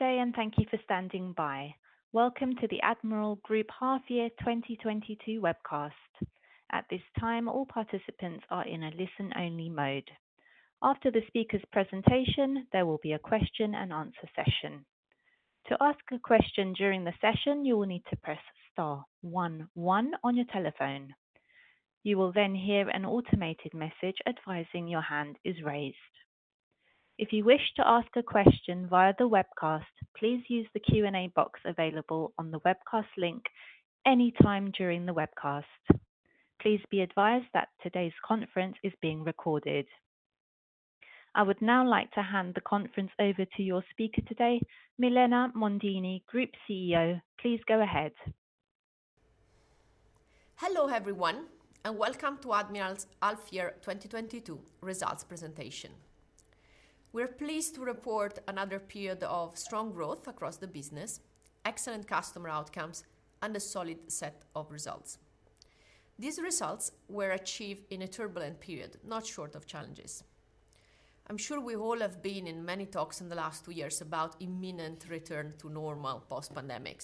Good day and thank you for standing by. Welcome to the Admiral Group Half Year 2022 webcast. At this time, all participants are in a listen only mode. After the speaker's presentation, there will be a question and answer session. To ask a question during the session, you will need to press star one one on your telephone. You will then hear an automated message advising your hand is raised. If you wish to ask a question via the webcast, please use the Q&A box available on the webcast link any time during the webcast. Please be advised that today's conference is being recorded. I would now like to hand the conference over to your speaker today, Milena Mondini, Group CEO. Please go ahead. Hello, everyone, and welcome to Admiral's Half Year 2022 results presentation. We're pleased to report another period of strong growth across the business, excellent customer outcomes and a solid set of results. These results were achieved in a turbulent period, not short of challenges. I'm sure we all have been in many talks in the last two years about imminent return to normal post-pandemic.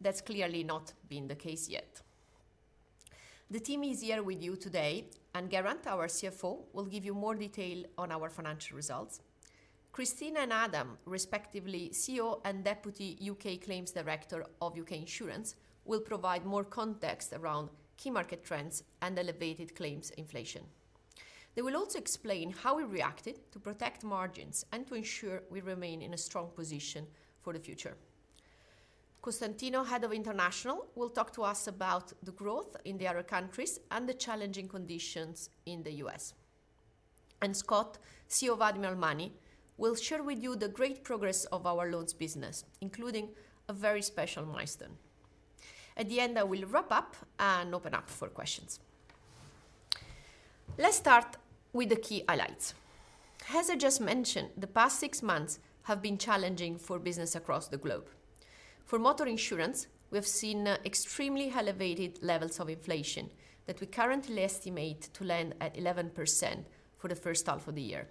That's clearly not been the case yet. The team is here with you today and Geraint, our CFO, will give you more detail on our financial results. Cristina and Adam, respectively, CEO and Head of UK Claims of UK Insurance, will provide more context around key market trends and elevated claims inflation. They will also explain how we reacted to protect margins and to ensure we remain in a strong position for the future. Costantino, Head of International, will talk to us about the growth in the other countries and the challenging conditions in the U.S. Scott, CEO of Admiral Money, will share with you the great progress of our loans business, including a very special milestone. At the end, I will wrap up and open up for questions. Let's start with the key highlights. As I just mentioned, the past six-months have been challenging for business across the globe. For motor insurance, we have seen extremely elevated levels of inflation that we currently estimate to land at 11% for the first half of the year.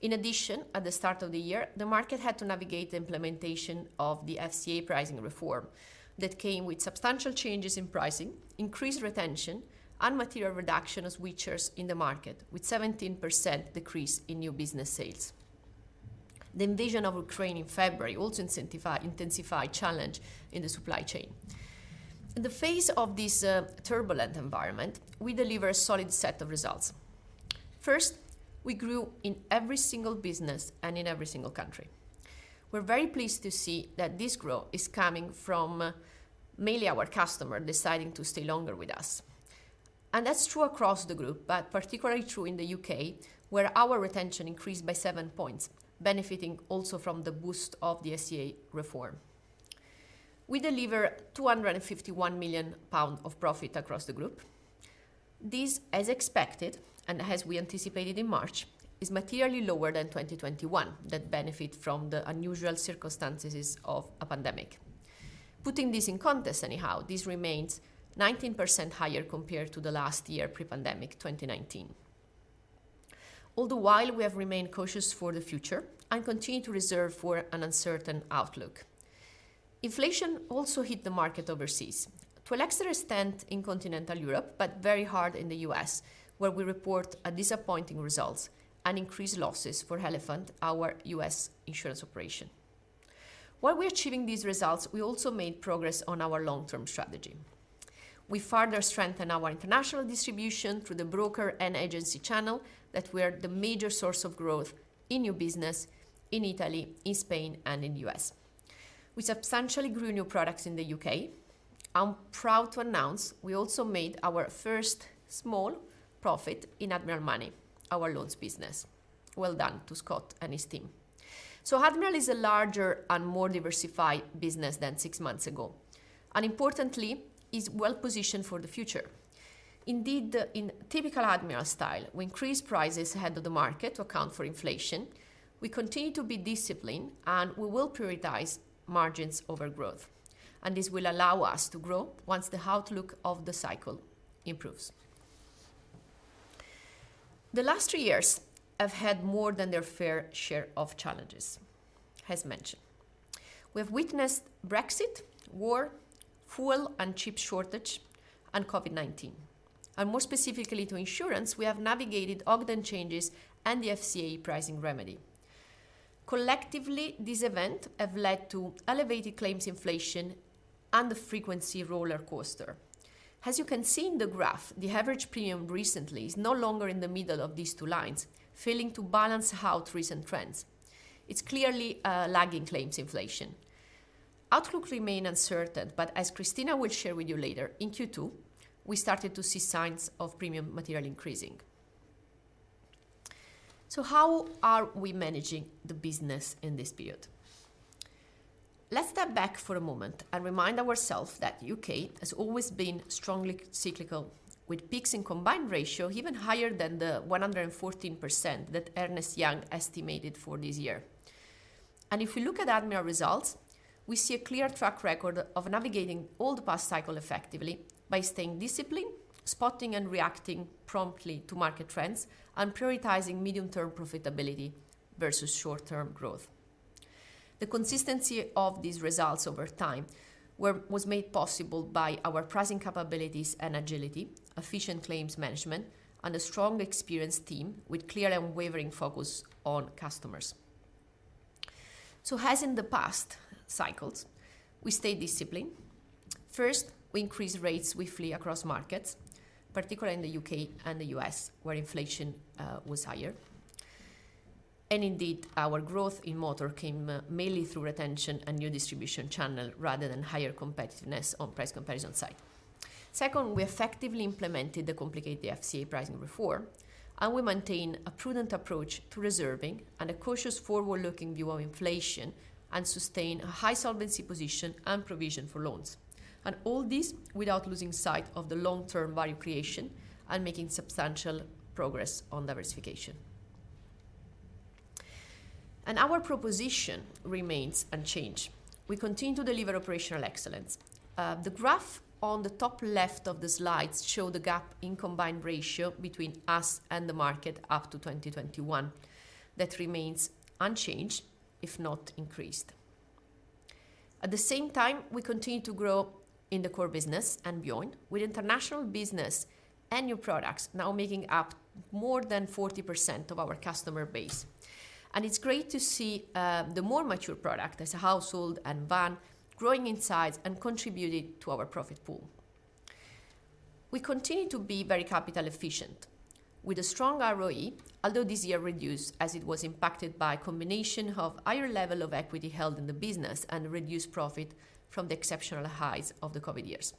In addition, at the start of the year, the market had to navigate the implementation of the FCA pricing reform that came with substantial changes in pricing, increased retention and material reduction of switchers in the market with 17% decrease in new business sales. The invasion of Ukraine in February also intensified challenge in the supply chain. In the face of this turbulent environment, we deliver a solid set of results. First, we grew in every single business and in every single country. We're very pleased to see that this growth is coming from mainly our customer deciding to stay longer with us. That's true across the group, but particularly true in the U.K., where our retention increased by seven-points, benefiting also from the boost of the FCA reform. We deliver 251 million pounds of profit across the group. This, as expected, and as we anticipated in March, is materially lower than 2021, that benefited from the unusual circumstances of a pandemic. Putting this in context anyhow, this remains 19% higher compared to the last year pre-pandemic, 2019. All the while, we have remained cautious for the future and continue to reserve for an uncertain outlook. Inflation also hit the market overseas. To a lesser extent in continental Europe, but very hard in the U.S., where we reported disappointing results and increased losses for Elephant, our US Insurance operation. While we're achieving these results, we also made progress on our long-term strategy. We further strengthened our international distribution through the broker and agency channel that is the major source of growth in new business in Italy, in Spain, and in the U.S. We substantially grew new products in the U.K. I'm proud to announce we also made our first small profit in Admiral Money, our loans business. Well done to Scott and his team. Admiral is a larger and more diversified business than six months ago, and importantly, is well positioned for the future. Indeed, in typical Admiral style, we increased prices ahead of the market to account for inflation. We continue to be disciplined, and we will prioritize margins over growth, and this will allow us to grow once the outlook of the cycle improves. The last three years have had more than their fair share of challenges, as mentioned. We have witnessed Brexit, war, fuel and chip shortage, and COVID-19. More specifically to insurance, we have navigated Ogden changes and the FCA pricing remedy. Collectively, these events have led to elevated claims inflation and the frequency roller coaster. As you can see in the graph, the average premium recently is no longer in the middle of these two lines, failing to balance out recent trends. It's clearly lagging claims inflation. Outlook remain uncertain, but as Cristina will share with you later, in Q2, we started to see signs of premiums materially increasing. How are we managing the business in this period? Let's step back for a moment and remind ourselves that UK has always been strongly cyclical, with peaks in combined ratio even higher than the 114% that Ernst & Young estimated for this year. If we look at Admiral results, we see a clear track record of navigating all the past cycle effectively by staying disciplined, spotting and reacting promptly to market trends, and prioritizing medium-term profitability versus short-term growth. The consistency of these results over time was made possible by our pricing capabilities and agility, efficient claims management, and a strong experienced team with clear and unwavering focus on customers. As in the past cycles, we stayed disciplined. First, we increased rates swiftly across markets, particularly in the U.K. And the U.S., where inflation was higher. Indeed, our growth in motor came mainly through retention and new distribution channel rather than higher competitiveness on price comparison site. Second, we effectively implemented the complicated FCA pricing reform, and we maintain a prudent approach to reserving and a cautious forward-looking view on inflation and sustain a high solvency position and provision for loans. All this without losing sight of the long-term value creation and making substantial progress on diversification. Our proposition remains unchanged. We continue to deliver operational excellence. The graph on the top left of the slides show the gap in combined ratio between us and the market up to 2021. That remains unchanged, if not increased. At the same time, we continue to grow in the core business and beyond with international business and new products now making up more than 40% of our customer base. It's great to see the more mature product as household and van growing in size and contributing to our profit pool. We continue to be very capital efficient with a strong ROE, although this year reduced as it was impacted by a combination of higher level of equity held in the business and reduced profit from the exceptional highs of the COVID years.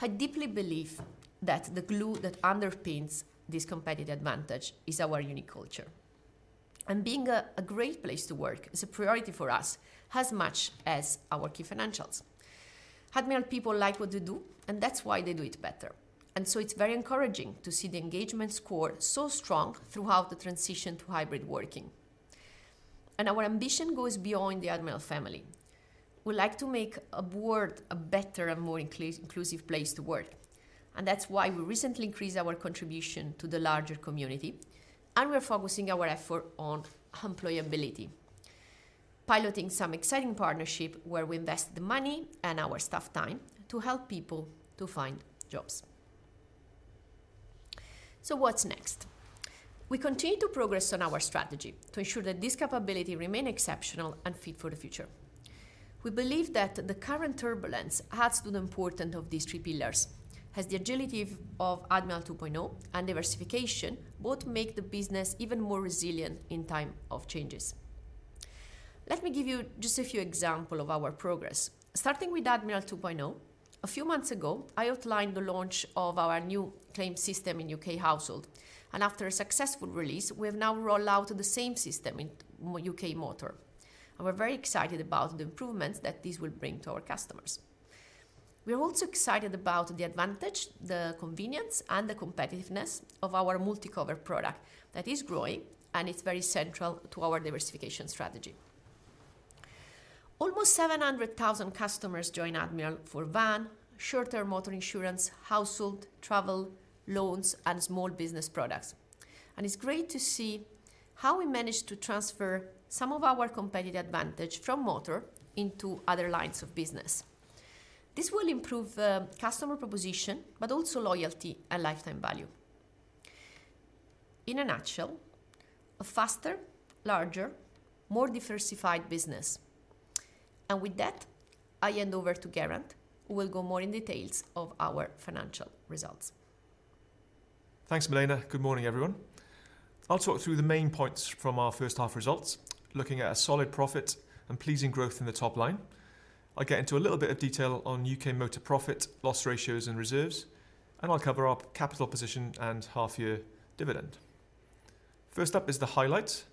I deeply believe that the glue that underpins this competitive advantage is our unique culture. Being a great place to work is a priority for us as much as our key financials. Admiral people like what they do, and that's why they do it better. It's very encouraging to see the engagement score so strong throughout the transition to hybrid working. Our ambition goes beyond the Admiral family. We like to make the world a better and more inclusive place to work. That's why we recently increased our contribution to the larger community, and we're focusing our effort on employability, piloting some exciting partnership where we invest the money and our staff time to help people to find jobs. What's next? We continue to progress on our strategy to ensure that this capability remain exceptional and fit for the future. We believe that the current turbulence adds to the importance of these three pillars as the agility of Admiral 2.0 and diversification both make the business even more resilient in time of changes. Let me give you just a few example of our progress. Starting with Admiral 2.0, a few months ago, I outlined the launch of our new claim system in UK Household. After a successful release, we have now rolled out the same system in UK Motor. We're very excited about the improvements that this will bring to our customers. We are also excited about the advantage, the convenience, and the competitiveness of our MultiCover product that is growing, and it's very central to our diversification strategy. Almost 700,000 customers join Admiral for Van, short-term motor insurance, household, travel, loans, and small business products. It's great to see how we managed to transfer some of our competitive advantage from motor into other lines of business. This will improve customer proposition, but also loyalty and lifetime value. In a nutshell, a faster, larger, more diversified business. With that, I hand over to Geraint, who will go into more details of our financial results. Thanks, Milena. Good morning, everyone. I'll talk through the main points from our first half results, looking at a solid profit and pleasing growth in the top line. I'll get into a little bit of detail on U.K. motor profit, loss ratios, and reserves, and I'll cover our capital position and half year dividend. First up is the highlights.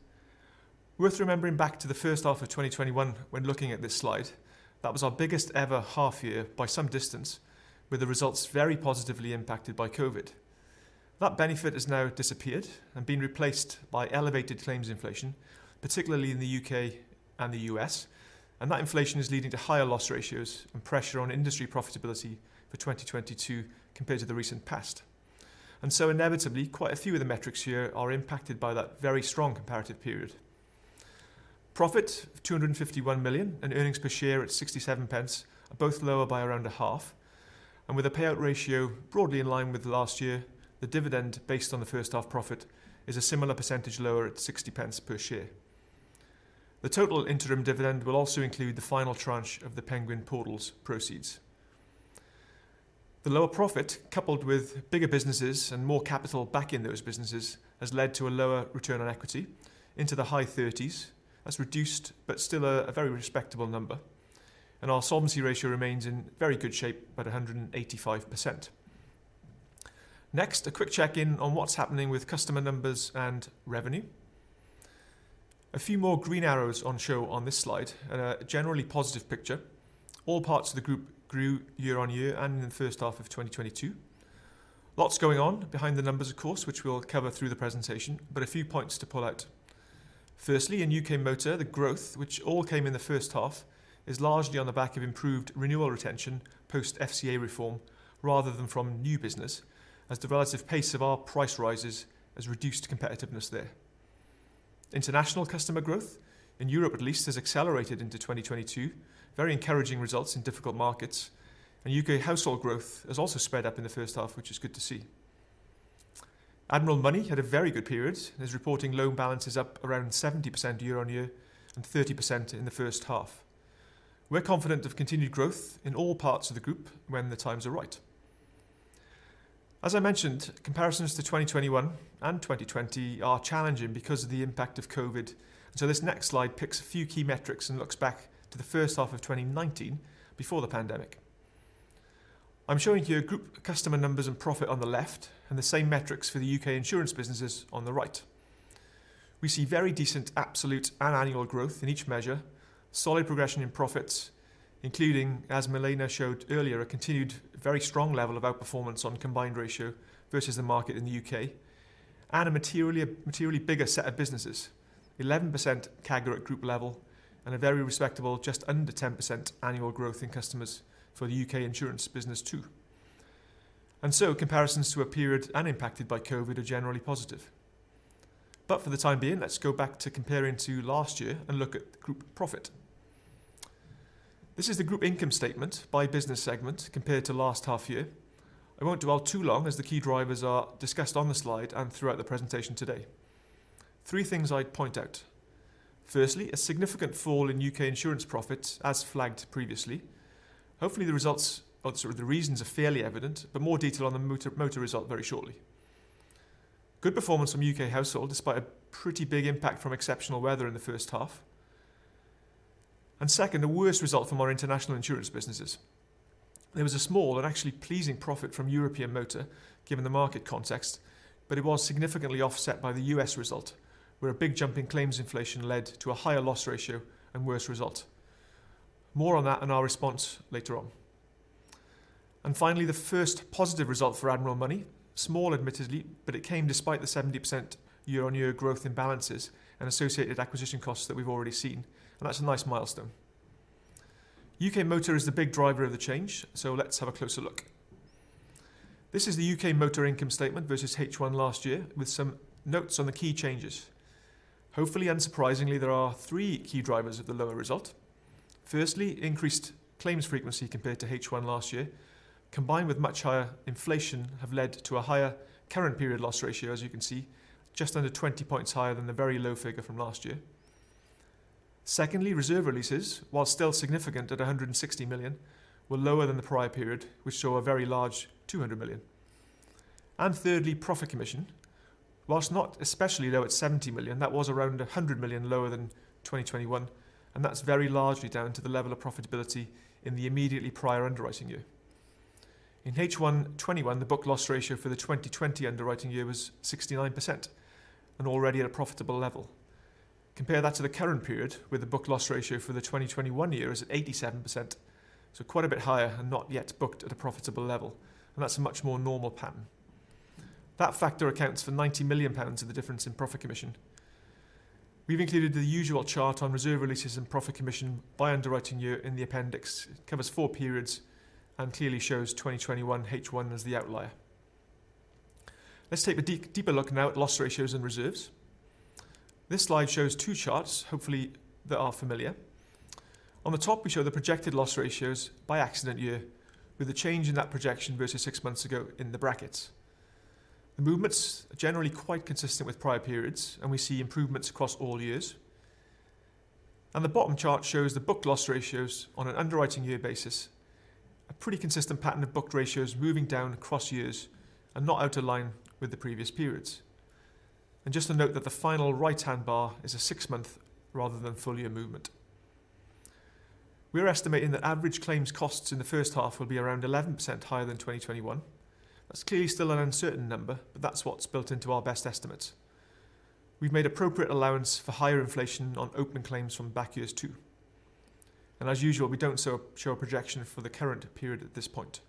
Worth remembering back to the first half of 2021 when looking at this slide. That was our biggest ever half year by some distance, with the results very positively impacted by COVID. That benefit has now disappeared and been replaced by elevated claims inflation, particularly in the U.K. and the U.S. That inflation is leading to higher loss ratios and pressure on industry profitability for 2022 compared to the recent past. Inevitably, quite a few of the metrics here are impacted by that very strong comparative period. Profit of 251 million and earnings per share at 67 pence are both lower by around a half, and with a payout ratio broadly in line with last year, the dividend based on the first half profit is a similar percentage lower at 60 pence per share. The total interim dividend will also include the final tranche of the Penguin Portals proceeds. The lower profit, coupled with bigger businesses and more capital back in those businesses, has led to a lower return on equity in the high 30s. That's reduced but still a very respectable number, and our solvency ratio remains in very good shape at 185%. Next, a quick check in on what's happening with customer numbers and revenue. A few more green arrows on show on this slide and a generally positive picture. All parts of the group grew year-over-year and in the first half of 2022. Lots going on behind the numbers, of course, which we'll cover through the presentation, but a few points to pull out. Firstly, in UK Motor, the growth which all came in the first half is largely on the back of improved renewal retention post FCA reform rather than from new business, as the relative pace of our price rises has reduced competitiveness there. International customer growth in Europe at least has accelerated into 2022. Very encouraging results in difficult markets. UK household growth has also sped up in the first half, which is good to see. Admiral Money had a very good period and is reporting loan balances up around 70% year-on-year and 30% in the first half. We're confident of continued growth in all parts of the group when the times are right. As I mentioned, comparisons to 2021 and 2020 are challenging because of the impact of COVID. This next slide picks a few key metrics and looks back to the first half of 2019 before the pandemic. I'm showing here group customer numbers and profit on the left and the same metrics for the UK Insurance businesses on the right. We see very decent absolute and annual growth in each measure. Solid progression in profits, including, as Milena showed earlier, a continued very strong level of outperformance on combined ratio versus the market in the U.K. and a materially bigger set of businesses. 11% CAGR at group level and a very respectable just under 10% annual growth in customers for the UK Insurance business too. Comparisons to a period unimpacted by COVID are generally positive. For the time being, let's go back to comparing to last year and look at group profit. This is the group income statement by business segment compared to last half year. I won't dwell too long as the key drivers are discussed on the slide and throughout the presentation today. Three things I'd point out. Firstly, a significant fall in UK Insurance profits as flagged previously. Hopefully the results or the reasons are fairly evident, but more detail on the motor result very shortly. Good performance from UK Household despite a pretty big impact from exceptional weather in the first half. Second, the worst result from our international insurance businesses. There was a small and actually pleasing profit from European Motor given the market context, but it was significantly offset by the US result, where a big jump in claims inflation led to a higher loss ratio and worse result. More on that and our response later on. Finally, the first positive result for Admiral Money. Small admittedly, but it came despite the 70% year-on-year growth imbalances and associated acquisition costs that we've already seen. That's a nice milestone. UK Motor is the big driver of the change. Let's have a closer look. This is the UK Motor income statement versus H1 last year with some notes on the key changes. Hopefully unsurprisingly, there are three key drivers of the lower result. Firstly, increased claims frequency compared to H1 last year, combined with much higher inflation, have led to a higher current period loss ratio as you can see, just under 20 points higher than the very low figure from last year. Secondly, reserve releases, while still significant at 160 million, were lower than the prior period, which saw a very large 200 million. Thirdly, profit commission, while not especially low at 70 million, that was around 100 million lower than 2021, and that's very largely down to the level of profitability in the immediately prior underwriting year. In H1 2021, the book loss ratio for the 2020 underwriting year was 69% and already at a profitable level. Compare that to the current period with the book loss ratio for the 2021 year is at 87%. Quite a bit higher and not yet booked at a profitable level. That's a much more normal pattern. That factor accounts for 90 million pounds of the difference in profit commission. We've included the usual chart on reserve releases and profit commission by underwriting year in the appendix. It covers four periods and clearly shows 2021 H1 as the outlier. Let's take a deeper look now at loss ratios and reserves. This slide shows two charts, hopefully that are familiar. On the top, we show the projected loss ratios by accident year with the change in that projection versus six months ago in the brackets. The movements are generally quite consistent with prior periods, and we see improvements across all years. The bottom chart shows the book loss ratios on an underwriting year basis. A pretty consistent pattern of booked ratios moving down across years and not out of line with the previous periods. Just to note that the final right-hand bar is a six-month rather than full year movement. We are estimating that average claims costs in the first half will be around 11% higher than 2021. That's clearly still an uncertain number, but that's what's built into our best estimates. We've made appropriate allowance for higher inflation on opening claims from back years too. As usual, we don't show a projection for the current period at this point.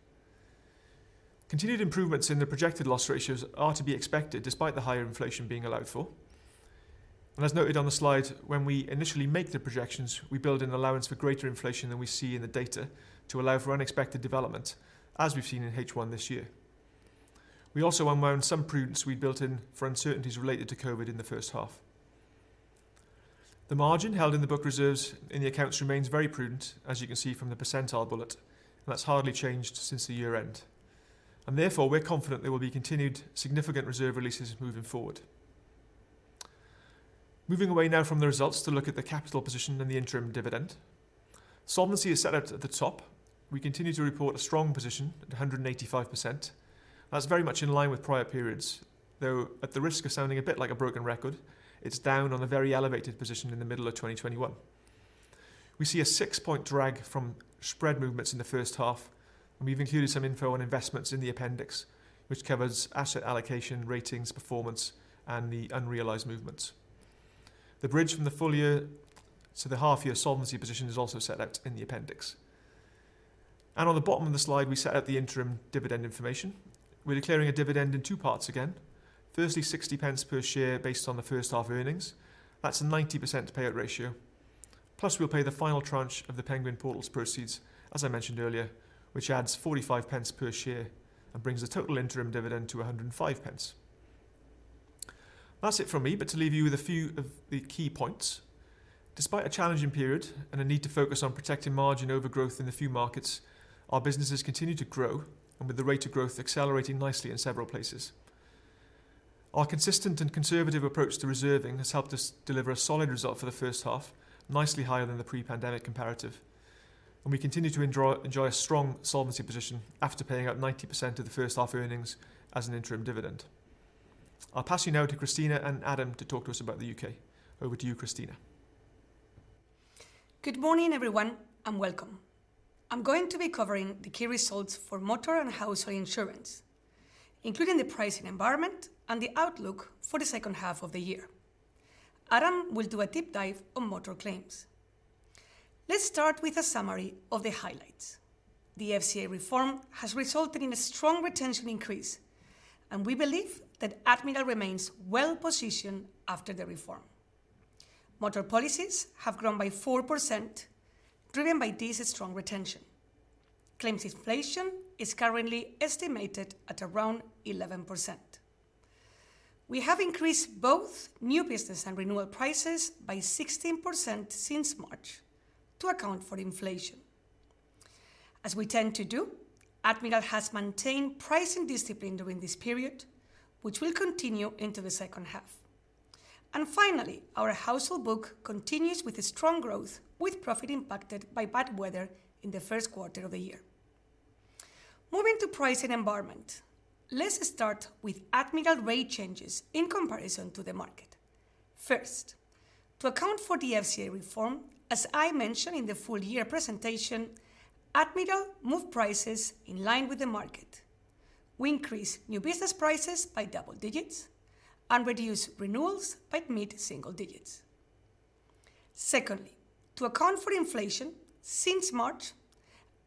Continued improvements in the projected loss ratios are to be expected despite the higher inflation being allowed for. As noted on the slide, when we initially make the projections, we build an allowance for greater inflation than we see in the data to allow for unexpected development as we've seen in H1 this year. We also unwound some prudence we built in for uncertainties related to COVID in the first half. The margin held in the book reserves in the accounts remains very prudent, as you can see from the percentile bullet, and that's hardly changed since the year end. Therefore, we're confident there will be continued significant reserve releases moving forward. Moving away now from the results to look at the capital position and the interim dividend. Solvency is set out at the top. We continue to report a strong position at 185%. That's very much in line with prior periods, though at the risk of sounding a bit like a broken record, it's down on a very elevated position in the middle of 2021. We see a six-point drag from spread movements in the first half, and we've included some info on investments in the appendix, which covers asset allocation, ratings, performance, and the unrealized movements. The bridge from the full year to the half year solvency position is also set out in the appendix. On the bottom of the slide, we set out the interim dividend information. We're declaring a dividend in two parts again. Firstly, 60 pence per share based on the first half earnings. That's a 90% payout ratio. Plus we'll pay the final tranche of the Penguin Portals proceeds, as I mentioned earlier, which adds 0.45 per share and brings the total interim dividend to 1.05. That's it from me, but to leave you with a few of the key points. Despite a challenging period and a need to focus on protecting margin over growth in the few markets, our businesses continue to grow and with the rate of growth accelerating nicely in several places. Our consistent and conservative approach to reserving has helped us deliver a solid result for the first half, nicely higher than the pre-pandemic comparative. We continue to enjoy a strong solvency position after paying out 90% of the first half earnings as an interim dividend. I'll pass you now to Cristina and Adam to talk to us about the U.K. Over to you, Cristina. Good morning, everyone, and welcome. I'm going to be covering the key results for motor and household insurance, including the pricing environment and the outlook for the second half of the year. Adam will do a deep dive on motor claims. Let's start with a summary of the highlights. The FCA reform has resulted in a strong retention increase, and we believe that Admiral remains well-positioned after the reform. Motor policies have grown by 4%, driven by this strong retention. Claims inflation is currently estimated at around 11%. We have increased both new business and renewal prices by 16% since March to account for inflation. As we tend to do, Admiral has maintained pricing discipline during this period, which will continue into the second half. Finally, our household book continues with strong growth with profit impacted by bad weather in the first quarter of the year. Moving to pricing environment. Let's start with Admiral rate changes in comparison to the market. First, to account for the FCA reform, as I mentioned in the full year presentation, Admiral moved prices in line with the market. We increased new business prices by double digits and reduced renewals by mid-single digits. Secondly, to account for inflation since March,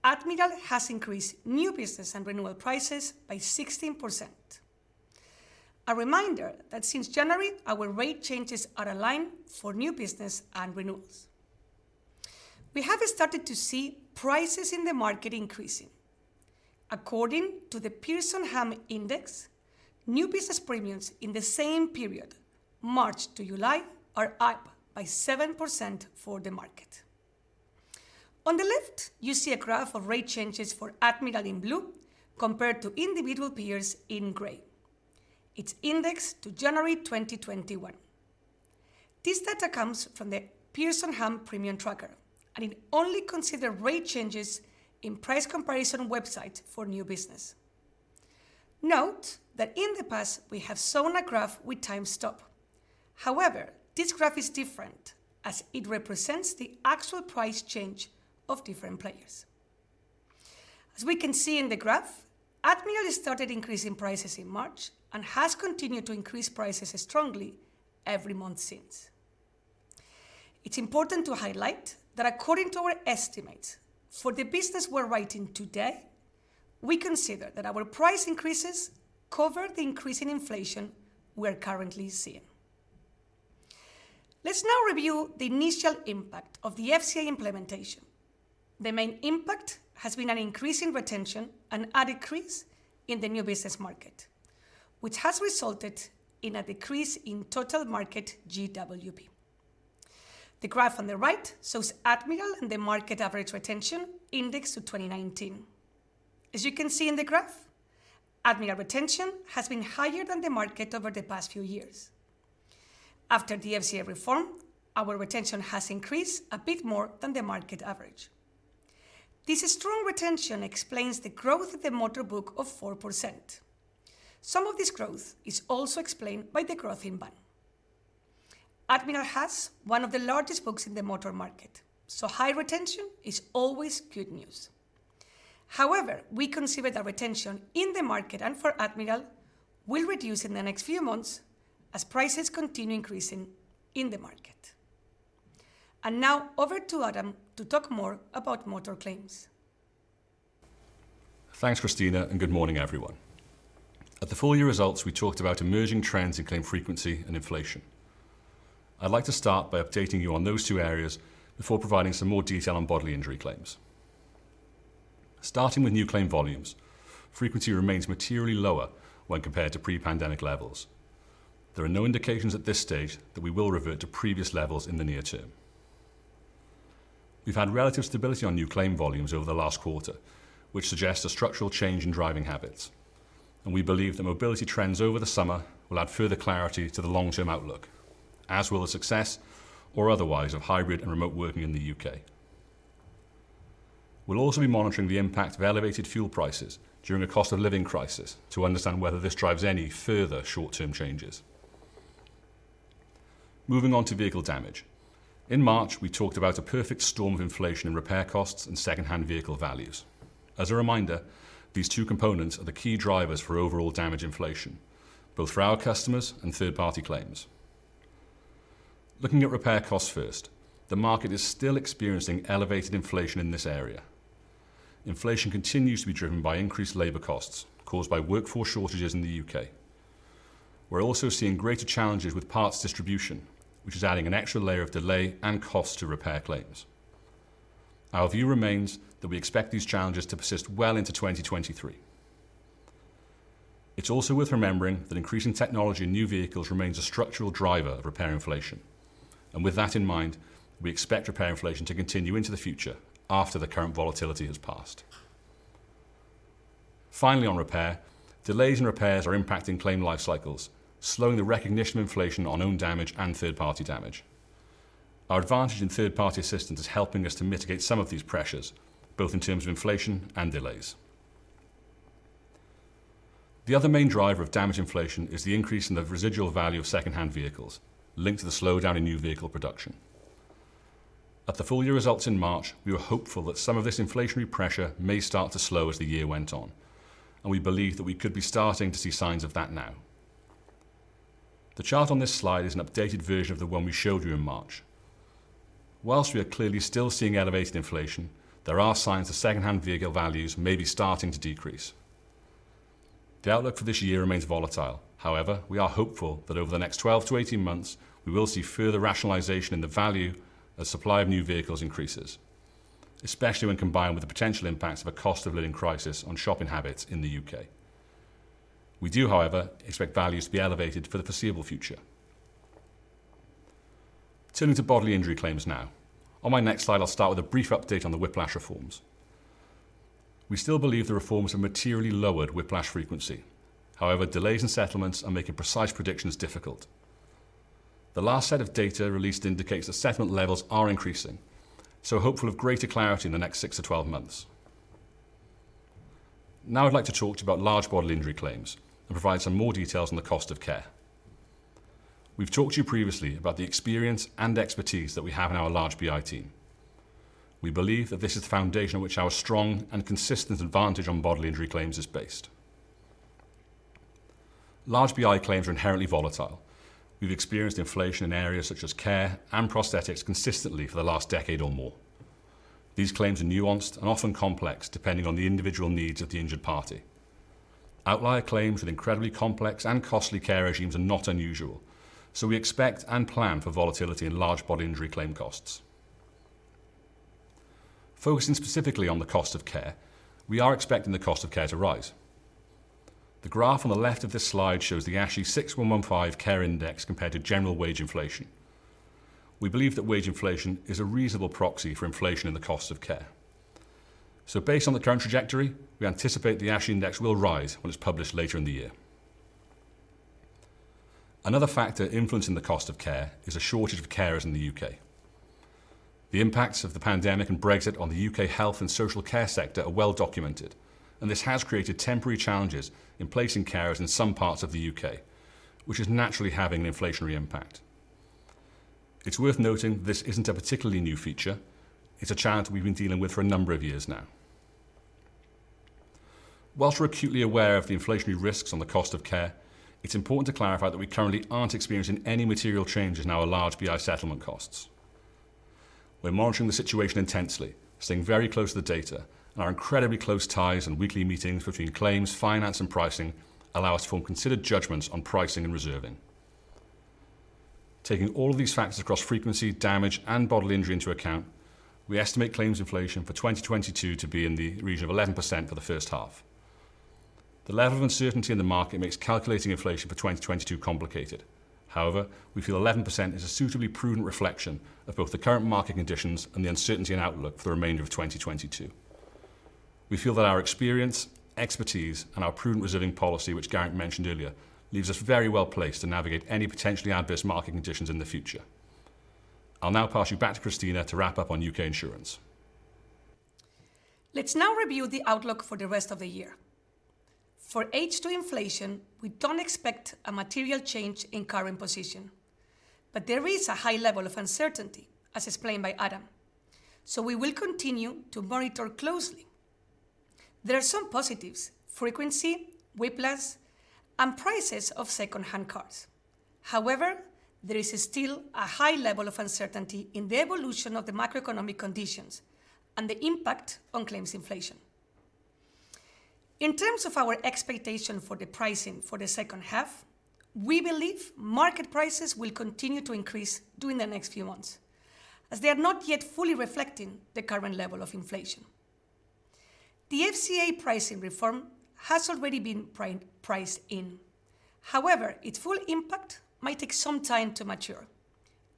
Admiral has increased new business and renewal prices by 16%. A reminder that since January, our rate changes are aligned for new business and renewals. We have started to see prices in the market increasing. According to the Pearson Ham Index, new business premiums in the same period, March to July, are up by 7% for the market. On the left, you see a graph of rate changes for Admiral in blue compared to individual peers in gray. It's indexed to January 2021. This data comes from the Pearson Ham Premium Tracker, and it only considers rate changes in price comparison website for new business. Note that in the past, we have shown a graph with timestamp. However, this graph is different as it represents the actual price change of different players. As we can see in the graph, Admiral has started increasing prices in March and has continued to increase prices strongly every month since. It's important to highlight that according to our estimates, for the business we're writing today, we consider that our price increases cover the increase in inflation we are currently seeing. Let's now review the initial impact of the FCA implementation. The main impact has been an increase in retention and a decrease in the new business market, which has resulted in a decrease in total market GWP. The graph on the right shows Admiral and the market average retention indexed to 2019. As you can see in the graph, Admiral retention has been higher than the market over the past few years. After the FCA reform, our retention has increased a bit more than the market average. This strong retention explains the growth of the motor book of 4%. Some of this growth is also explained by the growth in Van. Admiral has one of the largest books in the motor market, so high retention is always good news. However, we consider the retention in the market and for Admiral will reduce in the next few months as prices continue increasing in the market. Now over to Adam to talk more about motor claims. Thanks, Cristina, and good morning, everyone. At the full year results, we talked about emerging trends in claim frequency and inflation. I'd like to start by updating you on those two areas before providing some more detail on bodily injury claims. Starting with new claim volumes, frequency remains materially lower when compared to pre-pandemic levels. There are no indications at this stage that we will revert to previous levels in the near term. We've had relative stability on new claim volumes over the last quarter, which suggests a structural change in driving habits. We believe the mobility trends over the summer will add further clarity to the long-term outlook, as will the success or otherwise of hybrid and remote working in the U.K. We'll also be monitoring the impact of elevated fuel prices during a cost of living crisis to understand whether this drives any further short-term changes. Moving on to vehicle damage. In March, we talked about a perfect storm of inflation in repair costs and secondhand vehicle values. As a reminder, these two components are the key drivers for overall damage inflation, both for our customers and third-party claims. Looking at repair costs first, the market is still experiencing elevated inflation in this area. Inflation continues to be driven by increased labor costs caused by workforce shortages in the U.K. We're also seeing greater challenges with parts distribution, which is adding an extra layer of delay and cost to repair claims. Our view remains that we expect these challenges to persist well into 2023. It's also worth remembering that increasing technology in new vehicles remains a structural driver of repair inflation. With that in mind, we expect repair inflation to continue into the future after the current volatility has passed. Finally, on repair, delays in repairs are impacting claim life cycles, slowing the recognition of inflation on own damage and third-party damage. Our advantage in third-party assistance is helping us to mitigate some of these pressures, both in terms of inflation and delays. The other main driver of damage inflation is the increase in the residual value of secondhand vehicles linked to the slowdown in new vehicle production. At the full year results in March, we were hopeful that some of this inflationary pressure may start to slow as the year went on, and we believe that we could be starting to see signs of that now. The chart on this slide is an updated version of the one we showed you in March. While we are clearly still seeing elevated inflation, there are signs the secondhand vehicle values may be starting to decrease. The outlook for this year remains volatile. However, we are hopeful that over the next 12-18 months we will see further rationalization in the value as supply of new vehicles increases, especially when combined with the potential impacts of a cost of living crisis on shopping habits in the U.K. We do, however, expect values to be elevated for the foreseeable future. Turning to bodily injury claims now. On my next slide, I'll start with a brief update on the whiplash reforms. We still believe the reforms have materially lowered whiplash frequency. However, delays in settlements are making precise predictions difficult. The last set of data released indicates that settlement levels are increasing, so hopeful of greater clarity in the next six to 12 months. Now I'd like to talk to you about large bodily injury claims and provide some more details on the cost of care. We've talked to you previously about the experience and expertise that we have in our large BI team. We believe that this is the foundation on which our strong and consistent advantage on bodily injury claims is based. Large BI claims are inherently volatile. We've experienced inflation in areas such as care and prosthetics consistently for the last decade or more. These claims are nuanced and often complex, depending on the individual needs of the injured party. Outlier claims with incredibly complex and costly care regimes are not unusual, so we expect and plan for volatility in large bodily injury claim costs. Focusing specifically on the cost of care, we are expecting the cost of care to rise. The graph on the left of this slide shows the ASHE 6115 care index compared to general wage inflation. We believe that wage inflation is a reasonable proxy for inflation in the cost of care. Based on the current trajectory, we anticipate the ASHE index will rise when it's published later in the year. Another factor influencing the cost of care is a shortage of carers in the U.K. The impacts of the pandemic and Brexit on the U.K. health and social care sector are well documented, and this has created temporary challenges in placing carers in some parts of the U.K., which is naturally having an inflationary impact. It's worth noting this isn't a particularly new feature. It's a challenge we've been dealing with for a number of years now. While we're acutely aware of the inflationary risks on the cost of care, it's important to clarify that we currently aren't experiencing any material changes in our large BI settlement costs. We're monitoring the situation intensely, staying very close to the data, and our incredibly close ties and weekly meetings between claims, finance, and pricing allow us to form considered judgments on pricing and reserving. Taking all of these factors across frequency, damage, and bodily injury into account, we estimate claims inflation for 2022 to be in the region of 11% for the first half. The level of uncertainty in the market makes calculating inflation for 2022 complicated. However, we feel 11% is a suitably prudent reflection of both the current market conditions and the uncertainty and outlook for the remainder of 2022. We feel that our experience, expertise, and our prudent reserving policy, which Geraint mentioned earlier, leaves us very well placed to navigate any potentially adverse market conditions in the future. I'll now pass you back to Cristina to wrap up on UK Insurance. Let's now review the outlook for the rest of the year. For H2 inflation, we don't expect a material change in current position, but there is a high level of uncertainty, as explained by Adam. We will continue to monitor closely. There are some positives, frequency, whiplash, and prices of secondhand cars. However, there is still a high level of uncertainty in the evolution of the macroeconomic conditions and the impact on claims inflation. In terms of our expectation for the pricing for the second half, we believe market prices will continue to increase during the next few months as they are not yet fully reflecting the current level of inflation. The FCA pricing reform has already been priced in. However, its full impact might take some time to mature,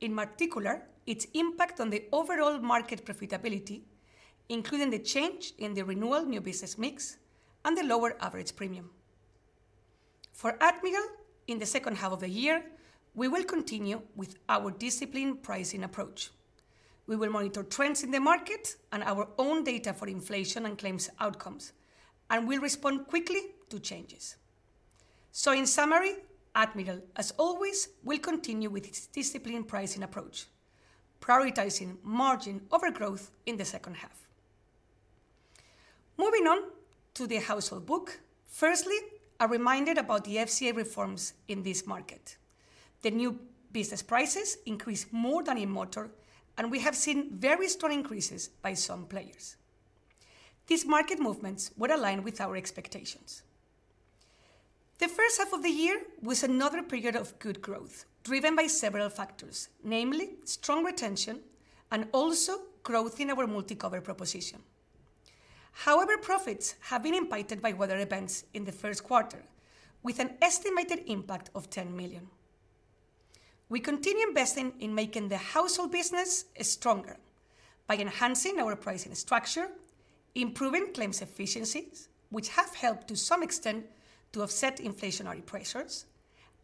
in particular, its impact on the overall market profitability, including the change in the renewal new business mix and the lower average premium. For Admiral, in the second half of the year, we will continue with our disciplined pricing approach. We will monitor trends in the market and our own data for inflation and claims outcomes, and we'll respond quickly to changes. In summary, Admiral, as always, will continue with its disciplined pricing approach, prioritizing margin over growth in the second half. Moving on to the household book, firstly, a reminder about the FCA reforms in this market. The new business prices increased more than in motor, and we have seen very strong increases by some players. These market movements were aligned with our expectations. The first half of the year was another period of good growth, driven by several factors, namely strong retention and also growth in our MultiCover proposition. However, profits have been impacted by weather events in the first quarter, with an estimated impact of 10 million. We continue investing in making the household business stronger by enhancing our pricing structure, improving claims efficiencies, which have helped to some extent to offset inflationary pressures,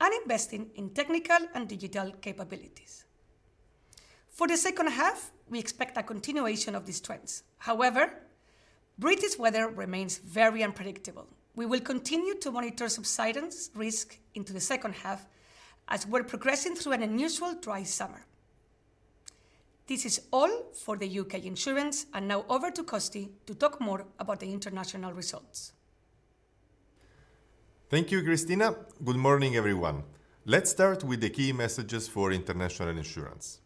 and investing in technical and digital capabilities. For the second half, we expect a continuation of these trends. However, British weather remains very unpredictable. We will continue to monitor subsidence risk into the second half as we're progressing through an unusual dry summer. This is all for the UK Insurance, and now over to Costi to talk more about the international results. Thank you, Cristina. Good morning, everyone. Let's start with the key messages for International Insurance.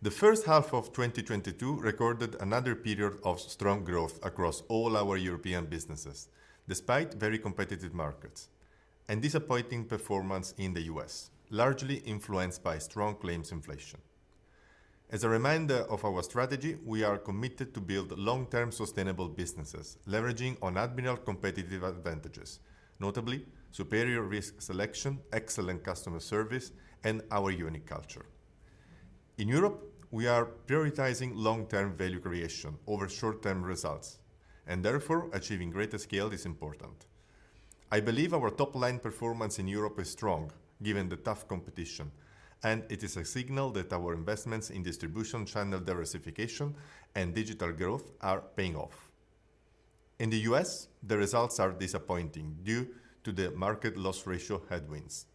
The first half of 2022 recorded another period of strong growth across all our European businesses, despite very competitive markets and disappointing performance in the U.S., largely influenced by strong claims inflation. As a reminder of our strategy, we are committed to build long-term sustainable businesses, leveraging on Admiral competitive advantages, notably superior risk selection, excellent customer service, and our unique culture. In Europe, we are prioritizing long-term value creation over short-term results, and therefore, achieving greater scale is important. I believe our top-line performance in Europe is strong given the tough competition, and it is a signal that our investments in distribution channel diversification and digital growth are paying off. In the U.S., the results are disappointing due to the market loss ratio headwinds.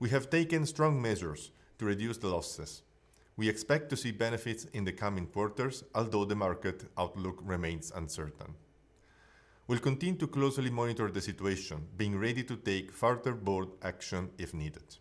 We have taken strong measures to reduce the losses. We expect to see benefits in the coming quarters, although the market outlook remains uncertain. We'll continue to closely monitor the situation, being ready to take further bold action if needed.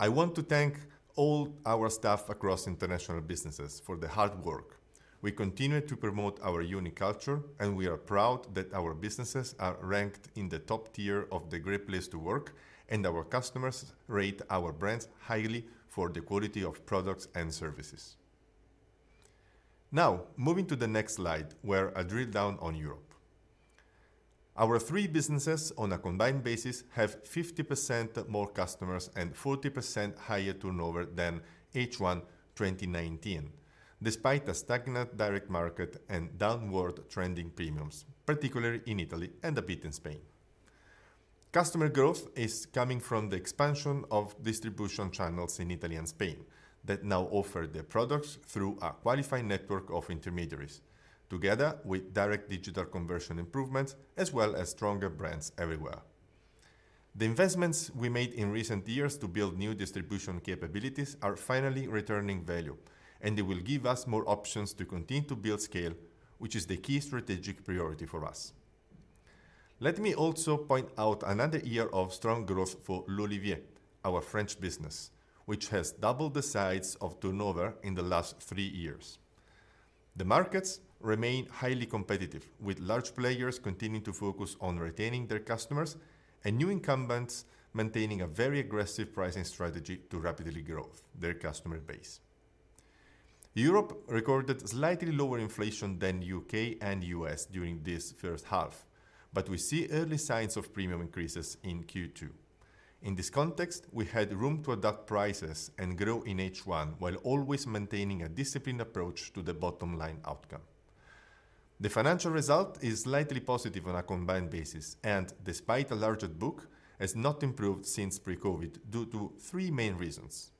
I want to thank all our staff across international businesses for the hard work. We continue to promote our unique culture, and we are proud that our businesses are ranked in the top tier of the Great Place to Work, and our customers rate our brands highly for the quality of products and services. Now, moving to the next slide, where I drill down on Europe. Our three businesses on a combined basis have 50% more customers and 40% higher turnover than H1 2019, despite a stagnant direct market and downward trending premiums, particularly in Italy and a bit in Spain. Customer growth is coming from the expansion of distribution channels in Italy and Spain that now offer the products through a qualified network of intermediaries, together with direct digital conversion improvements as well as stronger brands everywhere. The investments we made in recent years to build new distribution capabilities are finally returning value, and they will give us more options to continue to build scale, which is the key strategic priority for us. Let me also point out another year of strong growth for L'olivier, our French business, which has doubled the size of turnover in the last three years. The markets remain highly competitive, with large players continuing to focus on retaining their customers and new incumbents maintaining a very aggressive pricing strategy to rapidly grow their customer base. Europe recorded slightly lower inflation than U.K. and U.S. during this first half, but we see early signs of premium increases in Q2. In this context, we had room to adapt prices and grow in H1 while always maintaining a disciplined approach to the bottom line outcome. The financial result is slightly positive on a combined basis and, despite a larger book, has not improved since pre-COVID due to three main reasons.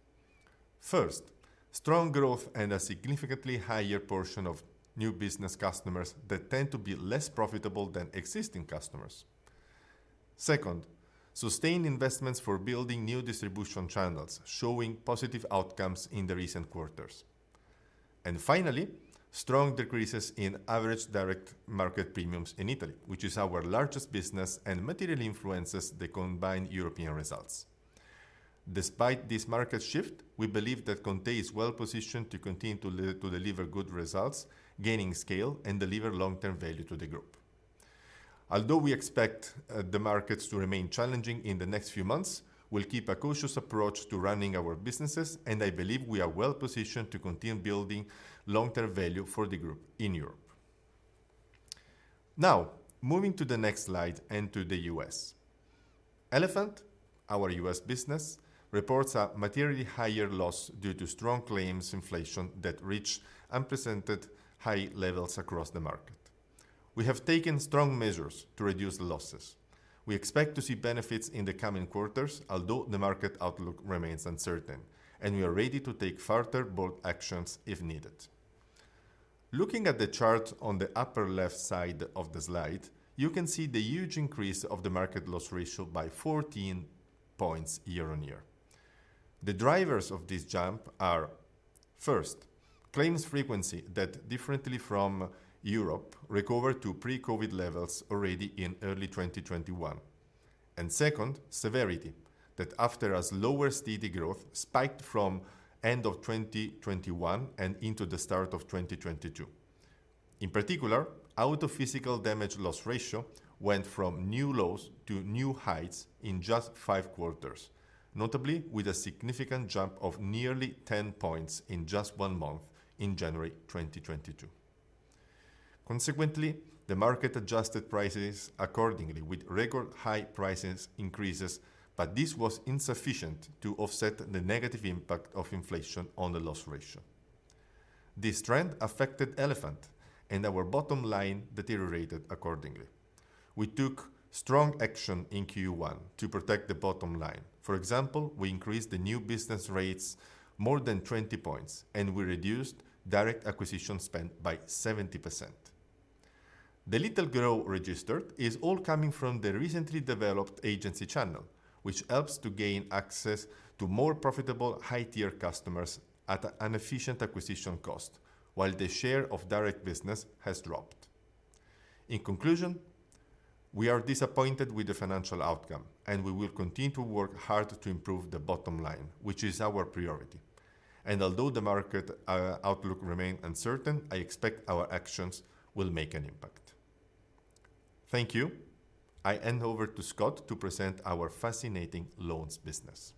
First, strong growth and a significantly higher portion of new business customers that tend to be less profitable than existing customers. Second, sustained investments for building new distribution channels, showing positive outcomes in the recent quarters. Finally, strong decreases in average direct market premiums in Italy, which is our largest business and materially influences the combined European results. Despite this market shift, we believe that ConTe.it is well positioned to continue to deliver good results, gaining scale, and deliver long-term value to the group. Although we expect the markets to remain challenging in the next few months, we'll keep a cautious approach to running our businesses, and I believe we are well positioned to continue building long-term value for the group in Europe. Now, moving to the next slide and to the U.S. Elephant, our U.S. business, reports a materially higher loss due to strong claims inflation that reached unprecedented high levels across the market. We have taken strong measures to reduce the losses. We expect to see benefits in the coming quarters, although the market outlook remains uncertain, and we are ready to take further bold actions if needed. Looking at the chart on the upper left side of the slide, you can see the huge increase of the market loss ratio by 14 points year-on-year. The drivers of this jump are, first, claims frequency that differently from Europe recovered to pre-COVID levels already in early 2021. Second, severity that after a slower steady growth spiked from end of 2021 and into the start of 2022. In particular, our physical damage loss ratio went from new lows to new heights in just five quarters, notably with a significant jump of nearly 10 points in just one month in January 2022. Consequently, the market adjusted prices accordingly with record high price increases, but this was insufficient to offset the negative impact of inflation on the loss ratio. This trend affected Elephant and our bottom line deteriorated accordingly. We took strong action in Q1 to protect the bottom line. For example, we increased the new business rates more than 20 points, and we reduced direct acquisition spend by 70%. The little growth registered is all coming from the recently developed agency channel, which helps to gain access to more profitable high-tier customers at an efficient acquisition cost while the share of direct business has dropped. In conclusion, we are disappointed with the financial outcome, and we will continue to work hard to improve the bottom line, which is our priority. Although the market outlook remain uncertain, I expect our actions will make an impact. Thank you. I hand over to Scott to present our fascinating loans business.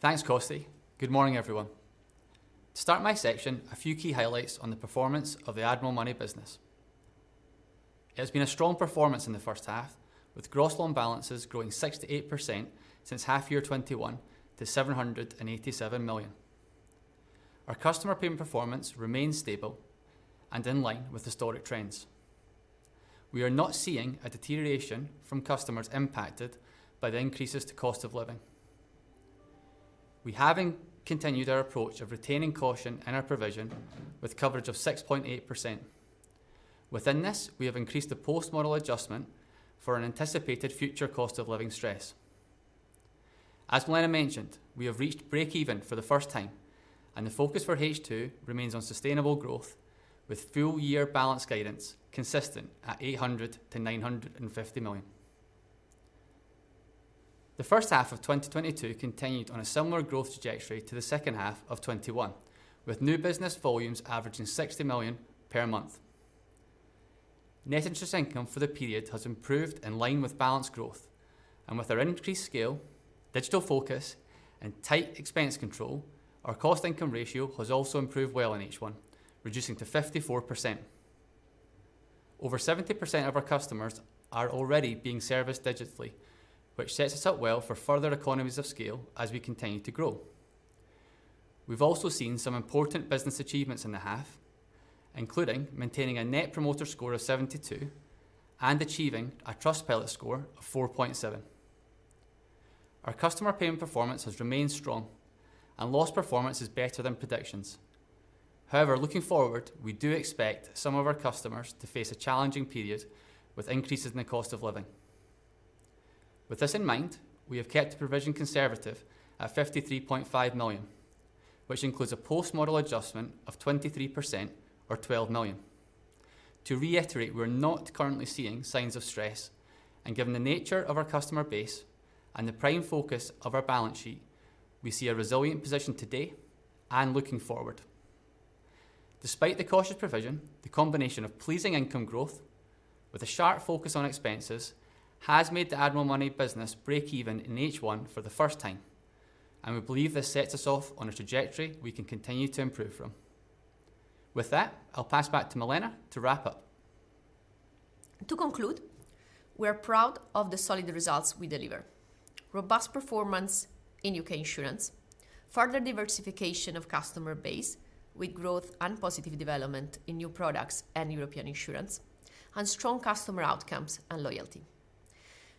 Thanks, Costi. Good morning, everyone. To start my section, a few key highlights on the performance of the Admiral Money business. It has been a strong performance in the first half with gross loan balances growing 68% since half year 2021 to 787 million. Our customer payment performance remains stable and in line with historic trends. We are not seeing a deterioration from customers impacted by the increases to cost of living. We have continued our approach of retaining caution in our provision with coverage of 6.8%. Within this, we have increased the post-model adjustment for an anticipated future cost of living stress. As Milena mentioned, we have reached break even for the first time, and the focus for H2 remains on sustainable growth with full year balance guidance consistent at 800 million-950 million. The first half of 2022 continued on a similar growth trajectory to the second half of 2021, with new business volumes averaging 60 million per month. Net interest income for the period has improved in line with balance growth. With our increased scale, digital focus, and tight expense control, our cost income ratio has also improved well in H1, reducing to 54%. Over 70% of our customers are already being serviced digitally, which sets us up well for further economies of scale as we continue to grow. We've also seen some important business achievements in the half, including maintaining a Net Promoter Score of 72 and achieving a Trustpilot score of 4.7. Our customer payment performance has remained strong, and loss performance is better than predictions. However, looking forward, we do expect some of our customers to face a challenging period with increases in the cost of living. With this in mind, we have kept the provision conservative at 53.5 million, which includes a post-model adjustment of 23% or 12 million. To reiterate, we're not currently seeing signs of stress, and given the nature of our customer base and the prime focus of our balance sheet, we see a resilient position today and looking forward. Despite the cautious provision, the combination of pleasing income growth with a sharp focus on expenses has made the Admiral Money business break even in H1 for the first time, and we believe this sets us off on a trajectory we can continue to improve from. With that, I'll pass back to Milena to wrap up. To conclude, we are proud of the solid results we deliver. Robust performance in UK Insurance, further diversification of customer base with growth and positive development in new products and European insurance, and strong customer outcomes and loyalty.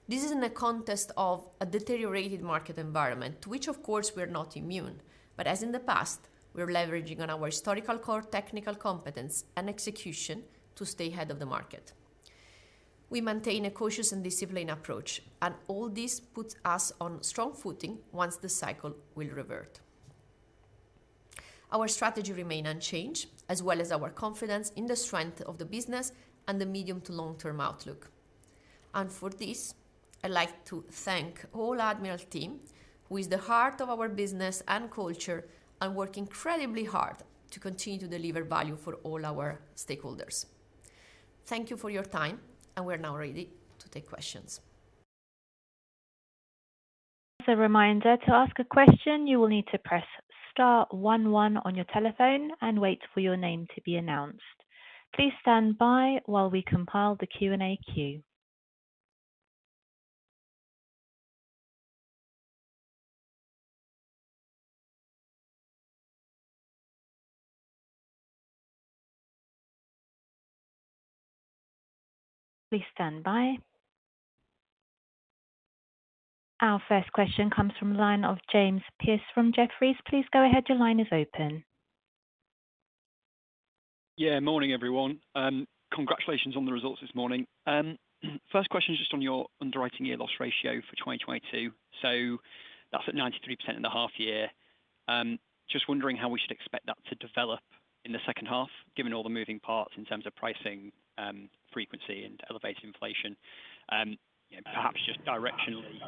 This is in a context of a deteriorated market environment to which of course we're not immune. But as in the past, we're leveraging on our historical core technical competence and execution to stay ahead of the market. We maintain a cautious and disciplined approach, and all this puts us on strong footing once the cycle will revert. Our strategy remain unchanged as well as our confidence in the strength of the business and the medium to long term outlook. For this, I'd like to thank all Admiral team who is the heart of our business and culture and work incredibly hard to continue to deliver value for all our stakeholders. Thank you for your time, and we're now ready to take questions. As a reminder, to ask a question, you will need to press star one one on your telephone and wait for your name to be announced. Please stand by while we compile the Q&A queue. Please stand by. Our first question comes from line of James Pearse from Jefferies. Please go ahead. Your line is open. Yeah. Morning, everyone. Congratulations on the results this morning. First question is just on your underwriting year loss ratio for 2022. So that's at 93% in the half year. Just wondering how we should expect that to develop in the second half, given all the moving parts in terms of pricing, frequency and elevated inflation. You know, perhaps just directionally,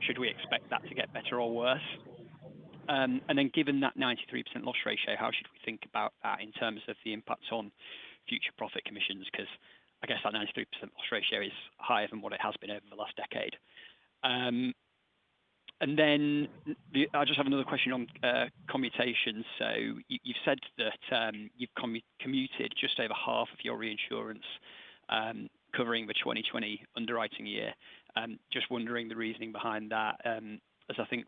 should we expect that to get better or worse? And then given that 93% loss ratio, how should we think about that in terms of the impact on future profit commissions? 'Cause I guess that 93% loss ratio is higher than what it has been over the last decade. And then I just have another question on commutations. You've said that you've commuted just over half of your reinsurance covering the 2020 underwriting year. Just wondering the reasoning behind that, as I think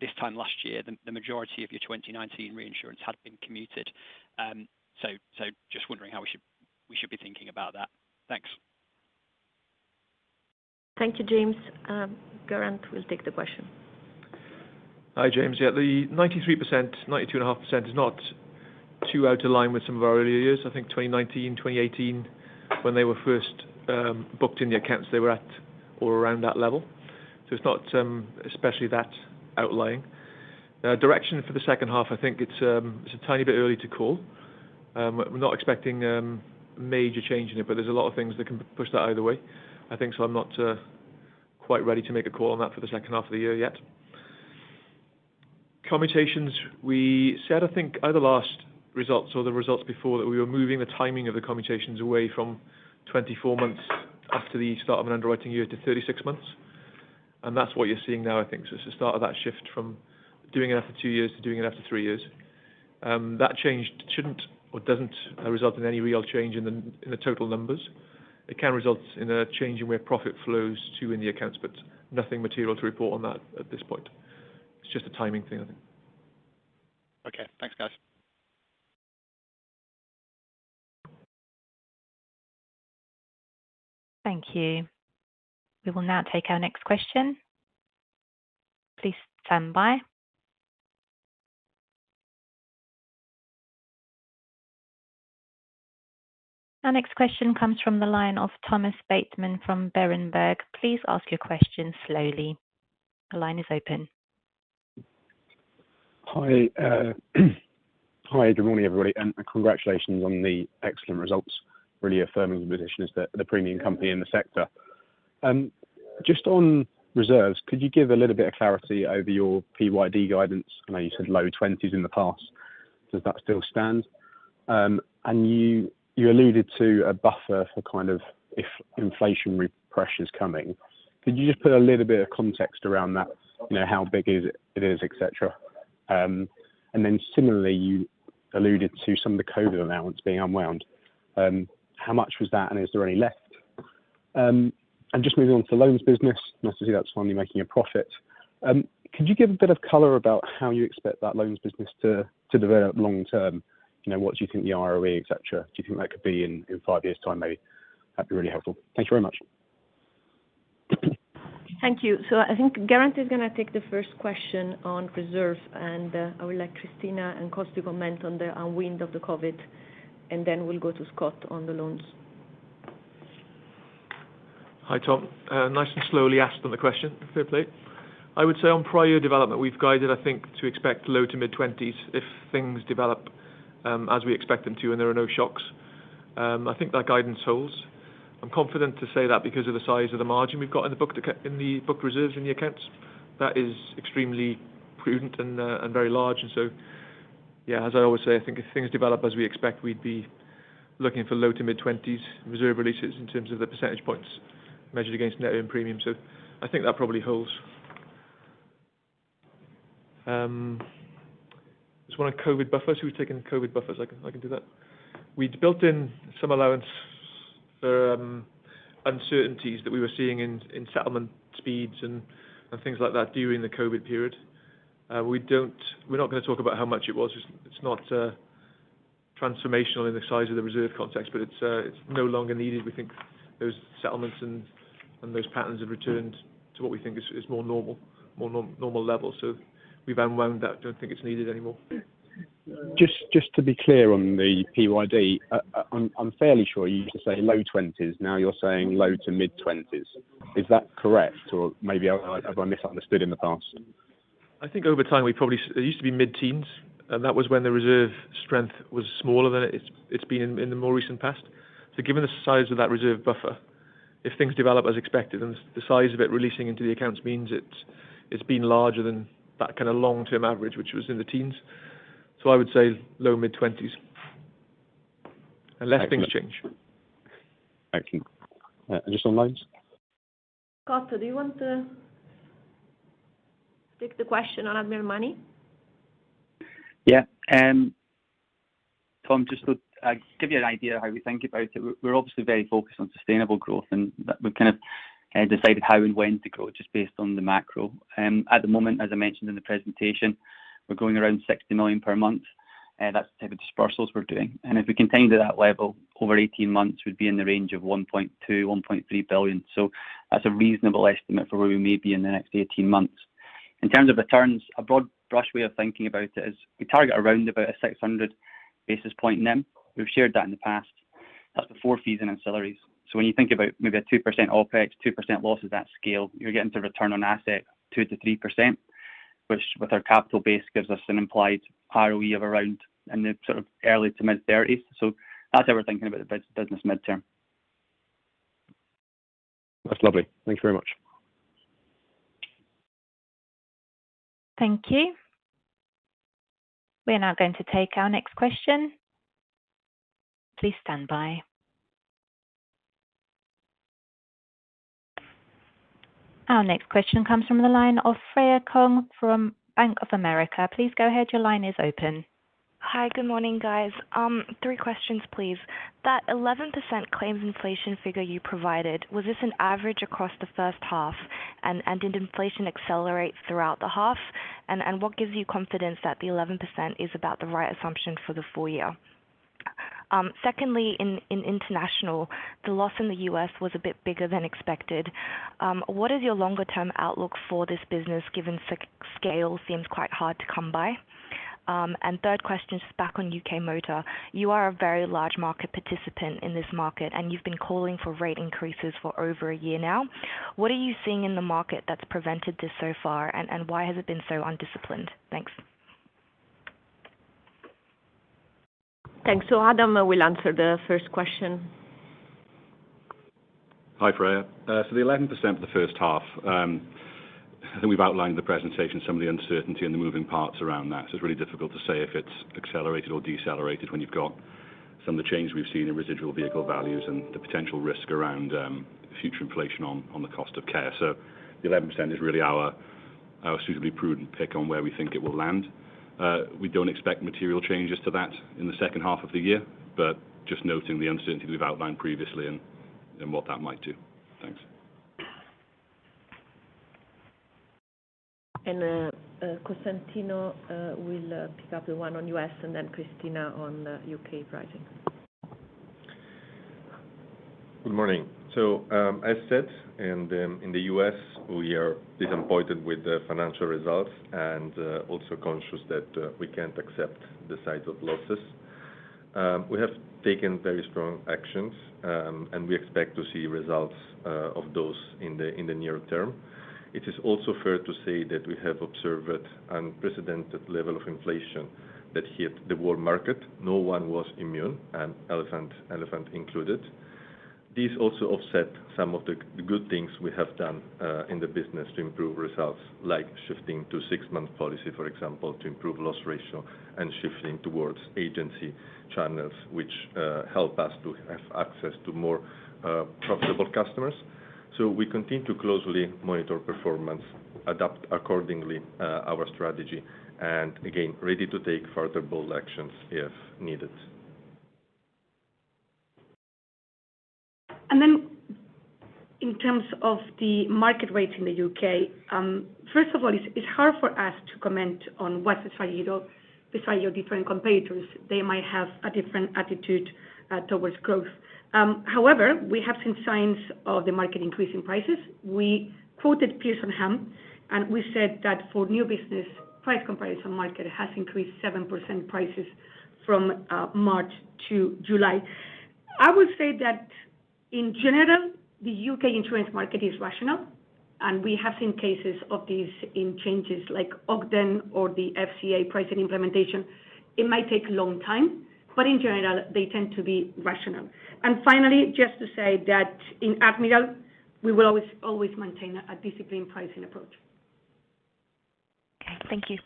this time last year the majority of your 2019 reinsurance had been commuted. Just wondering how we should be thinking about that. Thanks. Thank you, James. Geraint will take the question. Hi, James. Yeah, the 93%, 92.5% is not too out of line with some of our earlier years. I think 2019, 2018, when they were first booked in the accounts, they were at or around that level. So it's not especially that outlying. Direction for the second half, I think it's a tiny bit early to call. We're not expecting major change in it, but there's a lot of things that can push that either way, I think. So I'm not quite ready to make a call on that for the second half of the year yet. Commutations, we said, I think either last results or the results before that we were moving the timing of the commutations away from 24 months after the start of an underwriting year to 36 months. That's what you're seeing now, I think. It's the start of that shift from doing it after two years to doing it after three years. That change shouldn't or doesn't result in any real change in the total numbers. It can result in a change in where profit flows to in the accounts, but nothing material to report on that at this point. It's just a timing thing, I think. Okay. Thanks, guys. Thank you. We will now take our next question. Please stand by. Our next question comes from the line of Thomas Bateman from Berenberg. Please ask your question slowly. The line is open. Hi, good morning, everybody, and congratulations on the excellent results. Really affirming the position as the premium company in the sector. Just on reserves, could you give a little bit of clarity over your PYD guidance? I know you said low 20s in the past. Does that still stand? You alluded to a buffer for kind of if inflationary pressure is coming. Could you just put a little bit of context around that? You know, how big is it, et cetera. Then similarly, you alluded to some of the COVID allowance being unwound. How much was that, and is there any left? Just moving on to the loans business. Nice to see that's finally making a profit. Could you give a bit of color about how you expect that loans business to develop long term? You know, what do you think the ROE, et cetera, do you think that could be in five years' time, maybe? That'd be really helpful. Thank you very much. Thank you. I think Geraint is gonna take the first question on reserve, and I will let Cristina and Scott comment on the unwind of the COVID, and then we'll go to Scott on the loans. Hi, Tom. Nice and slowly asked on the question, fair play. I would say on prior development, we've guided, I think, to expect low to mid-20s if things develop as we expect them to, and there are no shocks. I think that guidance holds. I'm confident to say that because of the size of the margin we've got in the book reserves in the accounts. That is extremely prudent and very large. Yeah, as I always say, I think if things develop as we expect, we'd be looking for low to mid-20s reserve releases in terms of the percentage points measured against net own premium. I think that probably holds. Just want a COVID buffer. Who's taking the COVID buffers? I can do that. We'd built in some allowance for uncertainties that we were seeing in settlement speeds and things like that during the COVID period. We're not gonna talk about how much it was. It's not transformational in the size of the reserve context, but it's no longer needed. We think those settlements and those patterns have returned to what we think is more normal level. We've unwound that, don't think it's needed anymore. Just to be clear on the PYD. I'm fairly sure you used to say low twenties, now you're saying low to mid twenties. Is that correct? Or maybe I have misunderstood in the past. I think over time, we probably saw it used to be mid-teens, and that was when the reserve strength was smaller than it's been in the more recent past. Given the size of that reserve buffer, if things develop as expected and size of it releasing into the accounts means it's been larger than that kind of long-term average, which was in the teens. I would say low mid-twenties. Excellent. Unless things change. Thank you. Just on loans. Scott, do you want to take the question on Admiral Money? Yeah. Tom, just to give you an idea how we think about it. We're obviously very focused on sustainable growth and that we're kind of Decided how and when to grow just based on the macro. At the moment, as I mentioned in the presentation, we're growing around 60 million per month, that's the type of dispersals we're doing. If we continue to that level, over 18 months, we'd be in the range of 1.2 billion-1.3 billion. That's a reasonable estimate for where we may be in the next 18 months. In terms of returns, a broad brush way of thinking about it is we target around about 600 basis point NIM. We've shared that in the past. That's before fees and ancillaries. When you think about maybe a 2% OpEx, 2% loss of that scale, you're getting to return on assets 2%-3%, which with our capital base gives us an implied ROE of around in the sort of early- to mid-30s. That's how we're thinking about the business mid-term. That's lovely. Thank you very much. Thank you. We are now going to take our next question. Please stand by. Our next question comes from the line of Freya Kong from Bank of America. Please go ahead. Your line is open. Hi, good morning, guys. Three questions, please. That 11% claims inflation figure you provided, was this an average across the first half? Did inflation accelerate throughout the half? What gives you confidence that the 11% is about the right assumption for the full year? Secondly, in International, the loss in the US was a bit bigger than expected. What is your longer-term outlook for this business given scale seems quite hard to come by? Third question is back on UK Motor. You are a very large market participant in this market, and you've been calling for rate increases for over a year now. What are you seeing in the market that's prevented this so far, and why has it been so undisciplined? Thanks. Thanks. Adam will answer the first question. Hi, Freya. The 11% for the first half, I think we've outlined in the presentation some of the uncertainty and the moving parts around that. It's really difficult to say if it's accelerated or decelerated when you've got some of the change we've seen in residual vehicle values and the potential risk around future inflation on the cost of care. The 11% is really our suitably prudent pick on where we think it will land. We don't expect material changes to that in the second half of the year, but just noting the uncertainty we've outlined previously and what that might do. Thanks. Costantino will pick up the one on U.S. and then Cristina on U.K. pricing. Good morning. As said in the U.S., we are disappointed with the financial results and also conscious that we can't accept the size of losses. We have taken very strong actions and we expect to see results of those in the near term. It is also fair to say that we have observed unprecedented level of inflation that hit the world market. No one was immune, and Elephant included. This also offset some of the good things we have done in the business to improve results, like shifting to six-month policy, for example, to improve loss ratio and shifting towards agency channels, which help us to have access to more profitable customers. We continue to closely monitor performance, adapt accordingly our strategy, and again, ready to take further bold actions if needed. In terms of the market rates in the U.K., first of all, it's hard for us to comment on what's the strategy of your different competitors. They might have a different attitude towards growth. However, we have seen signs of the market increasing prices. We quoted Pearson Ham, and we said that for new business, price comparison market has increased 7% prices from March to July. I would say that in general, the UK insurance market is rational, and we have seen cases of these in changes like Ogden or the FCA pricing implementation. It might take a long time, but in general, they tend to be rational. Finally, just to say that in Admiral, we will always maintain a disciplined pricing approach. Okay. Thank you.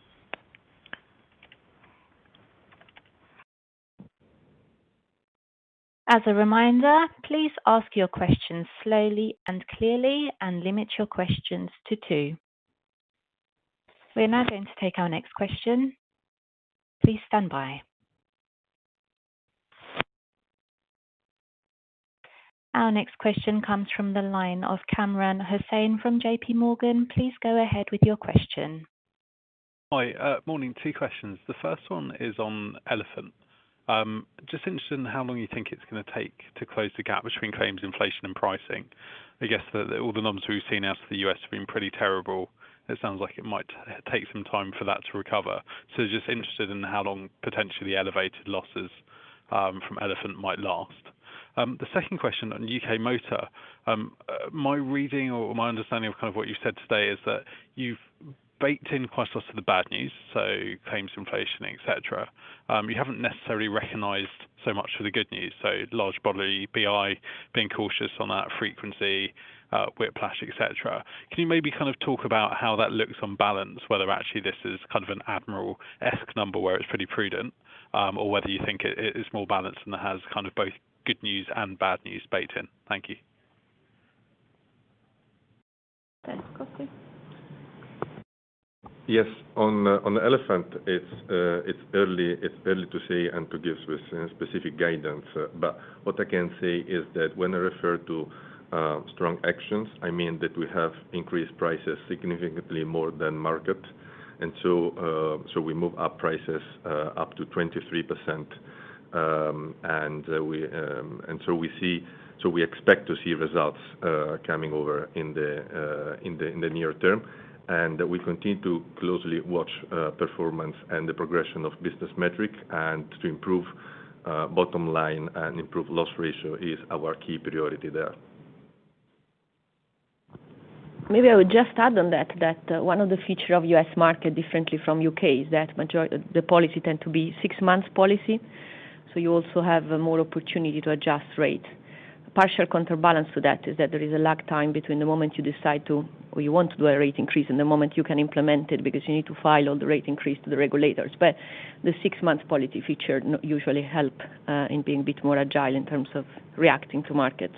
As a reminder, please ask your questions slowly and clearly, and limit your questions to two. We're now going to take our next question. Please stand by. Our next question comes from the line of Kamran Hossain from J.P. Morgan. Please go ahead with your question. Hi. Morning. Two questions. The first one is on Elephant. Just interested in how long you think it's gonna take to close the gap between claims inflation and pricing. I guess that all the numbers we've seen out of the US have been pretty terrible. It sounds like it might take some time for that to recover. Just interested in how long potentially the elevated losses from Elephant might last. The second question on UK Motor. My reading or my understanding of kind of what you said today is that you've baked in quite a lot of the bad news, so claims inflation, et cetera. You haven't necessarily recognized so much for the good news, so large bodily BI, being cautious on that frequency, whiplash, et cetera. Can you maybe kind of talk about how that looks on balance, whether actually this is kind of an Admiral-esque number where it's pretty prudent, or whether you think it is more balanced and has kind of both good news and bad news baked in? Thank you. Thanks. Consti. Yes. On Elephant, it's early to say and to give specific guidance. What I can say is that when I refer to strong actions, I mean that we have increased prices significantly more than market. We move up prices up to 23%. We expect to see results coming over in the near term. We continue to closely watch performance and the progression of business metric and to improve bottom line and improve loss ratio is our key priority there. Maybe I would just add on that one of the feature of U.S. market differently from U.K. is that majority the policy tend to be six months policy. So you also have more opportunity to adjust rate. Partial counterbalance to that is that there is a lag time between the moment you decide to or you want to do a rate increase and the moment you can implement it, because you need to file all the rate increase to the regulators. But the six months policy feature usually help in being a bit more agile in terms of reacting to markets.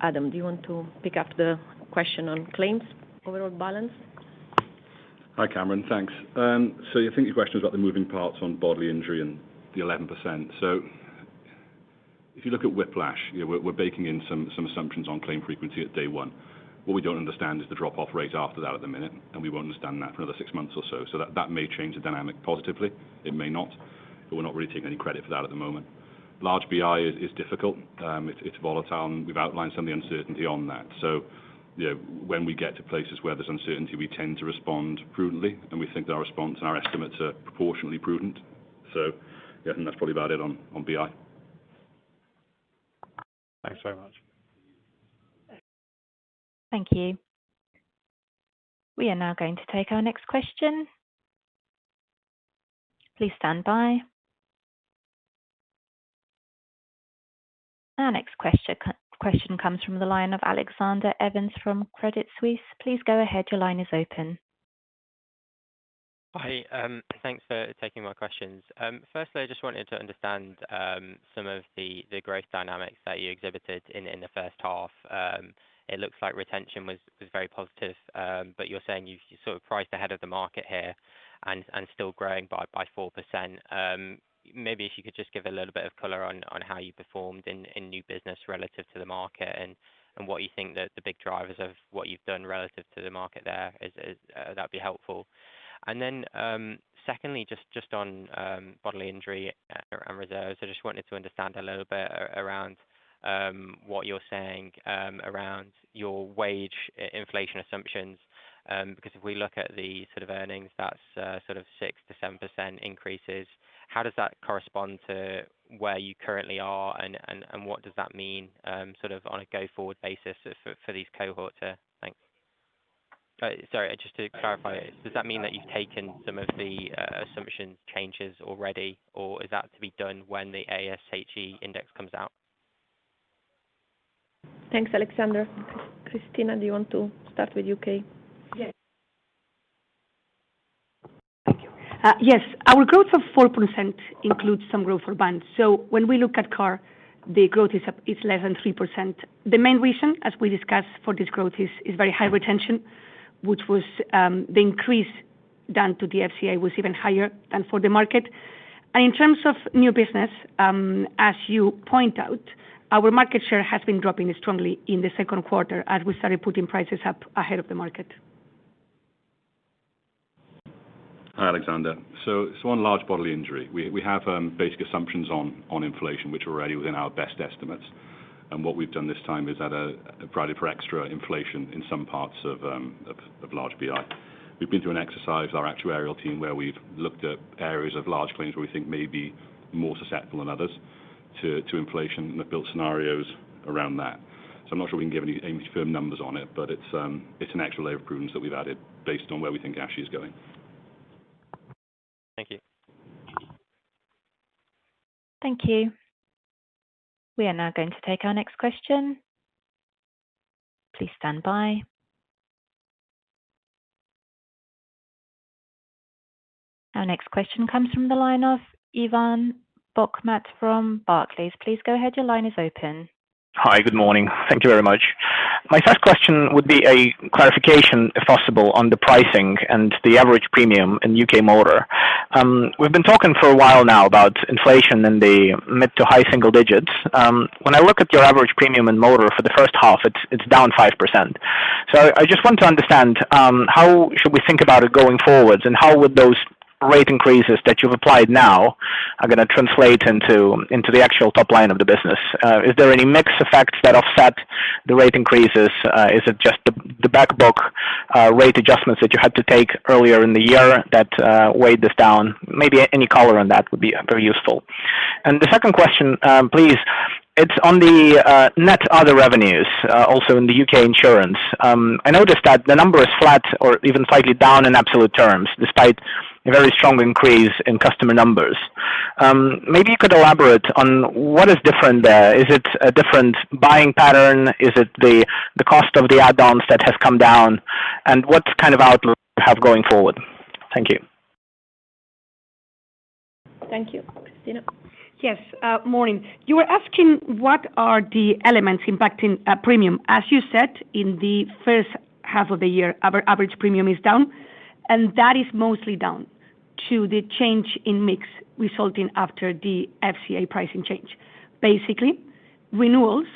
Adam, do you want to pick up the question on claims overall balance? Hi, Kamran. Thanks. I think your question is about the moving parts on bodily injury and the 11%. If you look at whiplash, we're baking in some assumptions on claim frequency at day one. What we don't understand is the drop off rate after that at the minute, and we won't understand that for another six months or so. That may change the dynamic positively. It may not. We're not really taking any credit for that at the moment. Large BI is difficult. It's volatile, and we've outlined some of the uncertainty on that. When we get to places where there's uncertainty, we tend to respond prudently, and we think our response and our estimates are proportionately prudent. Yeah, and that's probably about it on BI. Thanks very much. Thank you. We are now going to take our next question. Please stand by. Our next question comes from the line of Alexander Evans from Credit Suisse. Please go ahead. Your line is open. Hi. Thanks for taking my questions. Firstly, I just wanted to understand some of the growth dynamics that you exhibited in the first half. It looks like retention was very positive, but you're saying you sort of priced ahead of the market here and still growing by 4%. Maybe if you could just give a little bit of color on how you performed in new business relative to the market and what you think the big drivers of what you've done relative to the market there is. That'd be helpful. Then, secondly, just on bodily injury and reserves. I just wanted to understand a little bit around what you're saying around your wage inflation assumptions. Because if we look at the sort of earnings, that's sort of 6%-7% increases. How does that correspond to where you currently are and what does that mean sort of on a go forward basis for these cohorts here? Thanks. Sorry, just to clarify, does that mean that you've taken some of the assumption changes already, or is that to be done when the ASHE index comes out? Thanks, Alexander. Cristina, do you want to start with UK? Yes. Thank you. Yes. Our growth of 4% includes some growth for Van. When we look at CAR, the growth is less than 3%. The main reason, as we discussed, for this growth is very high retention, which was the increase due to the FCA was even higher than for the market. In terms of new business, as you point out, our market share has been dropping strongly in the second quarter as we started putting prices up ahead of the market. On large bodily injury, we have basic assumptions on inflation, which are already within our best estimates. What we've done this time is add a bracketing for extra inflation in some parts of large BI. We've been through an exercise, our actuarial team, where we've looked at areas of large claims where we think may be more susceptible than others to inflation and have built scenarios around that. I'm not sure we can give any firm numbers on it, but it's an extra layer of prudence that we've added based on where we think ASHE is going. Thank you. Thank you. We are now going to take our next question. Please stand by. Our next question comes from the line of Ivan Bokhmat from Barclays. Please go ahead. Your line is open. Hi. Good morning. Thank you very much. My first question would be a clarification, if possible, on the pricing and the average premium in UK Motor. We've been talking for a while now about inflation in the mid to high single digits. When I look at your average premium in motor for the first half, it's down 5%. I just want to understand how should we think about it going forwards, and how would those rate increases that you've applied now are gonna translate into the actual top line of the business? Is there any mix effects that offset the rate increases? Is it just the back book rate adjustments that you had to take earlier in the year that weighed this down? Maybe any color on that would be very useful. The second question, please, it's on the net other revenues, also in the UK Insurance. I noticed that the number is flat or even slightly down in absolute terms, despite a very strong increase in customer numbers. Maybe you could elaborate on what is different there. Is it a different buying pattern? Is it the cost of the add-ons that have come down? What kind of outlook have going forward? Thank you. Thank you. Cristina? Yes. Morning. You were asking what are the elements impacting premium. As you said, in the first half of the year, our average premium is down, and that is mostly down to the change in mix resulting after the FCA pricing change. Basically, renewals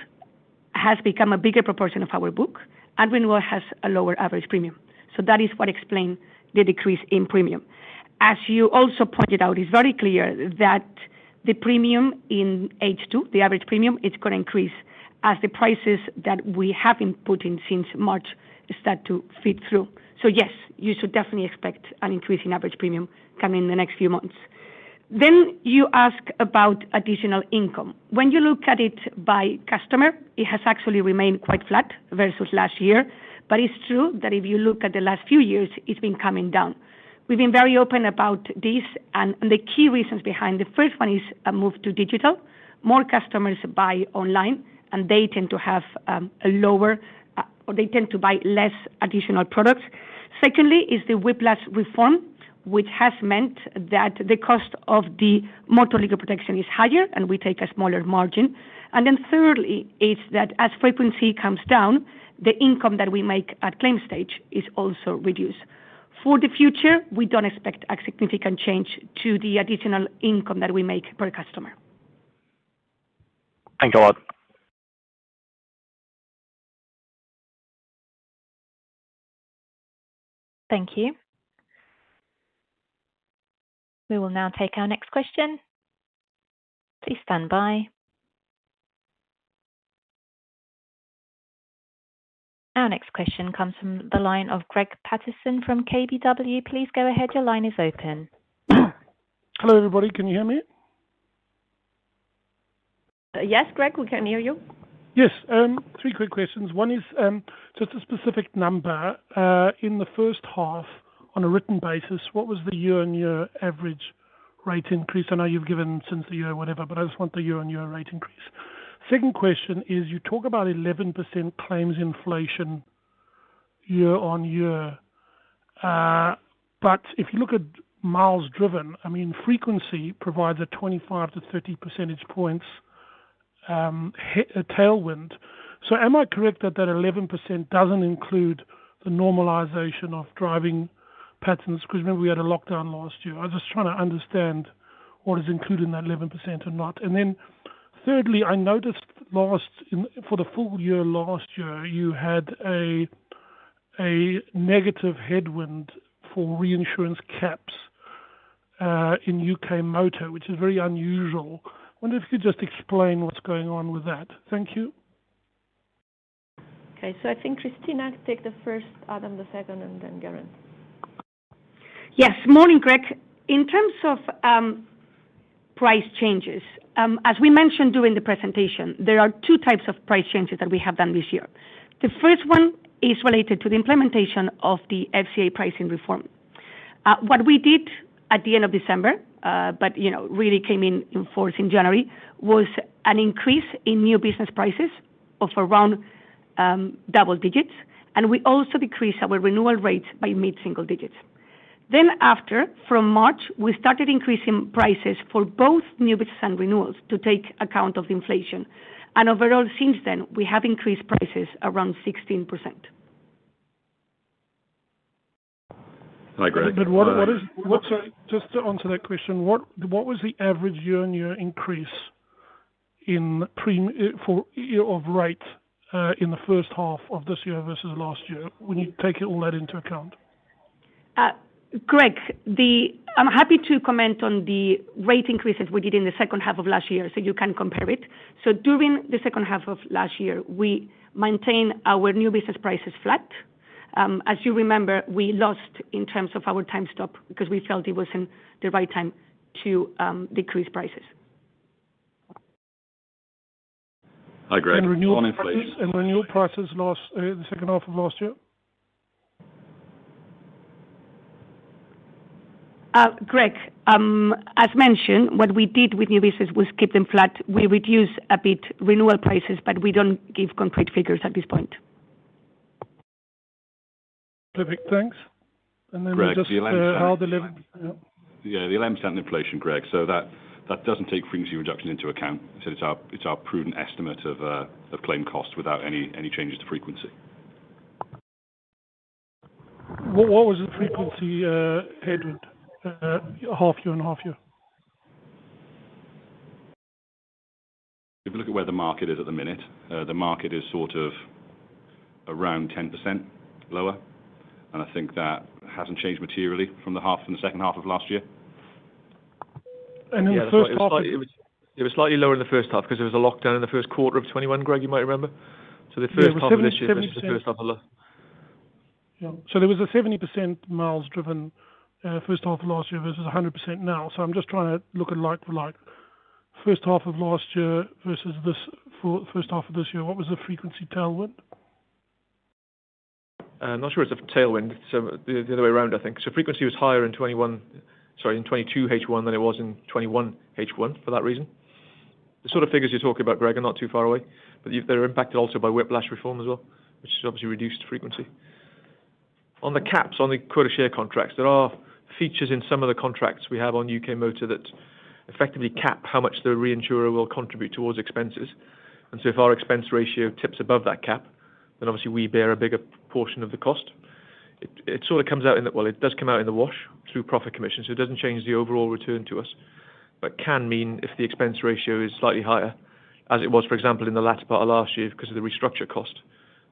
has become a bigger proportion of our book, and renewal has a lower average premium. That is what explain the decrease in premium. As you also pointed out, it's very clear that the premium in H2, the average premium is gonna increase as the prices that we have been putting since March start to feed through. Yes, you should definitely expect an increase in average premium coming the next few months. You ask about additional income. When you look at it by customer, it has actually remained quite flat versus last year. It's true that if you look at the last few years, it's been coming down. We've been very open about this and the key reasons behind. The first one is a move to digital. More customers buy online, and they tend to buy less additional products. Secondly is the whiplash reform, which has meant that the cost of the Motor Legal Protection is higher, and we take a smaller margin. Thirdly is that as frequency comes down, the income that we make at claim stage is also reduced. For the future, we don't expect a significant change to the additional income that we make per customer. Thank you all. Thank you. We will now take our next question. Please stand by. Our next question comes from the line of Greig Paterson from KBW. Please go ahead. Your line is open. Hello, everybody. Can you hear me? Yes, Greig, we can hear you. Yes. Three quick questions. One is, just a specific number. In the first half, on a written basis, what was the year-on-year average rate increase? I know you've given since the year or whatever, but I just want the year-on-year rate increase. Second question is you talk about 11% claims inflation year-on-year. But if you look at miles driven, I mean, frequency provides a 25-30 percentage points tailwind. Am I correct that that 11% doesn't include the normalization of driving patterns? 'Cause remember we had a lockdown last year. I'm just trying to understand what is included in that 11% or not. Thirdly, I noticed for the full year last year, you had a negative headwind for reinsurance caps in UK Motor, which is very unusual. Wonder if you could just explain what's going on with that. Thank you. I think Cristina take the first, Adam the second, and then Geraint. Yes. Morning, Greig. In terms of price changes, as we mentioned during the presentation, there are two types of price changes that we have done this year. The first one is related to the implementation of the FCA pricing reform. What we did at the end of December, but you know, really came in force in January, was an increase in new business prices of around double digits, and we also decreased our renewal rates by mid-single digits. After, from March, we started increasing prices for both new business and renewals to take account of inflation. Overall since then, we have increased prices around 16%. Hi, Greig. Sorry, just onto that question, what was the average year-on-year increase in prem for year of rate in the first half of this year versus last year when you take all that into account? Greig, I'm happy to comment on the rate increases we did in the second half of last year, so you can compare it. During the second half of last year, we maintained our new business prices flat. As you remember, we lost in terms of our market share because we felt it wasn't the right time to decrease prices. Hi, Greig. Morning, please. Renewal prices last the second half of last year? Greig, as mentioned, what we did with new business was keep them flat. We reduced a bit renewal prices, but we don't give concrete figures at this point. Perfect. Thanks. Greig. Yep. Yeah, the 11% inflation, Greig. That doesn't take frequency reduction into account. It's our prudent estimate of claim costs without any changes to frequency. What was the frequency headwind half year on half year? If you look at where the market is at the minute, the market is sort of around 10% lower, and I think that hasn't changed materially from the second half of last year. In the first half. It was slightly lower in the first half 'cause there was a lockdown in the first quarter of 2021, Greig, you might remember. Yeah. The first half of this year versus the first half of last- Yeah. There was a 70% miles driven, first half of last year versus 100% now. I'm just trying to look at like-for-like. First half of last year versus this first half of this year, what was the frequency tailwind? Not sure it's a tailwind. The other way around, I think. Frequency was higher in 2022 H1 than it was in 2021 H1 for that reason. The sort of figures you're talking about, Greig, are not too far away, but they're impacted also by whiplash reform as well, which has obviously reduced frequency. On the caps on the quota share contracts, there are features in some of the contracts we have on UK Motor that effectively cap how much the reinsurer will contribute towards expenses. If our expense ratio tips above that cap, then obviously we bear a bigger portion of the cost. Well, it does come out in the wash through profit commission, so it doesn't change the overall return to us, but can mean if the expense ratio is slightly higher, as it was, for example, in the latter part of last year because of the restructure cost,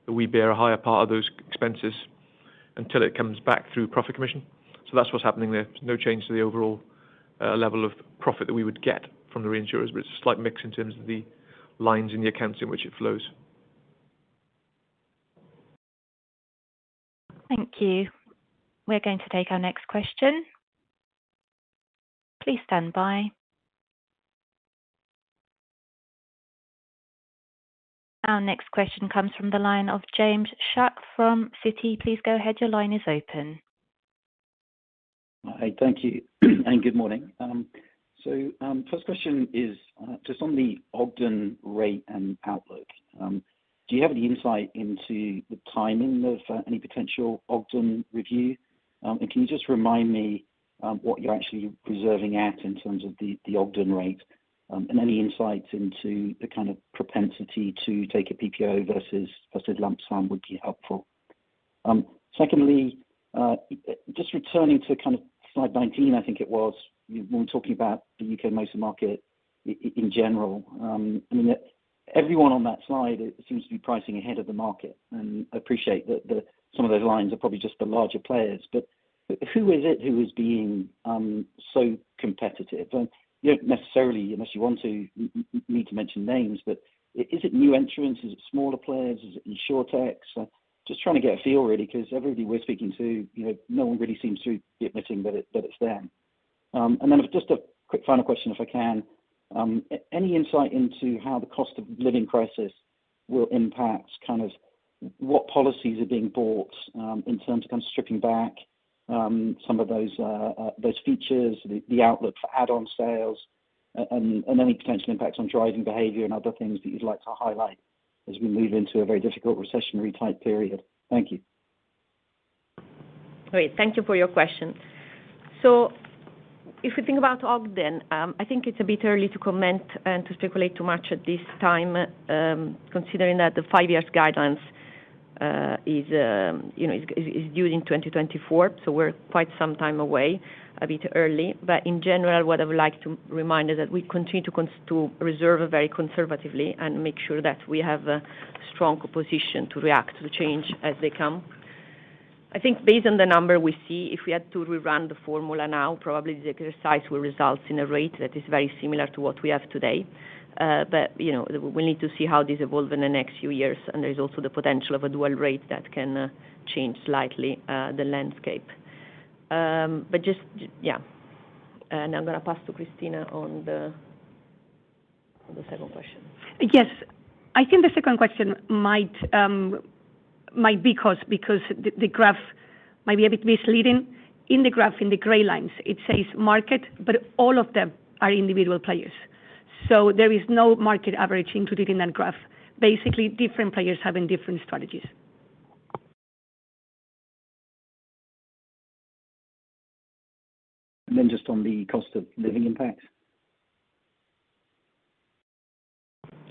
that we bear a higher part of those expenses until it comes back through profit commission. That's what's happening there. No change to the overall level of profit that we would get from the reinsurers, but it's a slight mix in terms of the lines in the accounts in which it flows. Thank you. We're going to take our next question. Please stand by. Our next question comes from the line of James Shuck from Citi. Please go ahead. Your line is open. Hi. Thank you and good morning. So, first question is, just on the Ogden rate and outlook, do you have any insight into the timing of any potential Ogden review? And can you just remind me, what you're actually reserving at in terms of the Ogden rate, and any insights into the kind of propensity to take a PPO versus lump sum would be helpful. Secondly, just returning to kind of slide 19, I think it was. You were talking about the UK Motor market in general. I mean, everyone on that slide seems to be pricing ahead of the market. I appreciate that some of those lines are probably just the larger players, but who is it who is being so competitive? You don't necessarily, unless you want to, need to mention names, but is it new entrants? Is it smaller players? Is it Insurtechs? Just trying to get a feel really, 'cause everybody we're speaking to, you know, no one really seems to be admitting that it, that it's them. Just a quick final question, if I can. Any insight into how the cost of living crisis will impact kind of what policies are being bought, in terms of kind of stripping back, some of those those features, the outlook for add-on sales and any potential impacts on driving behavior and other things that you'd like to highlight as we move into a very difficult recessionary type period. Thank you. Great. Thank you for your question. If we think about Ogden, I think it's a bit early to comment and to speculate too much at this time, considering that the five-year guidance is due in 2024, so we're quite some time away, a bit early. In general, what I would like to remind is that we continue to reserve very conservatively and make sure that we have a strong position to react to change as they come. I think based on the number we see, if we had to rerun the formula now, probably the exercise will result in a rate that is very similar to what we have today. We need to see how this evolves in the next few years. There is also the potential of a dual rate that can change slightly the landscape. But just yeah. I'm gonna pass to Cristina on the second question. Yes. I think the second question might be close because the graph might be a bit misleading. In the graph in the gray lines, it says market, but all of them are individual players. There is no market average included in that graph. Basically, different players having different strategies. Just on the cost of living impact.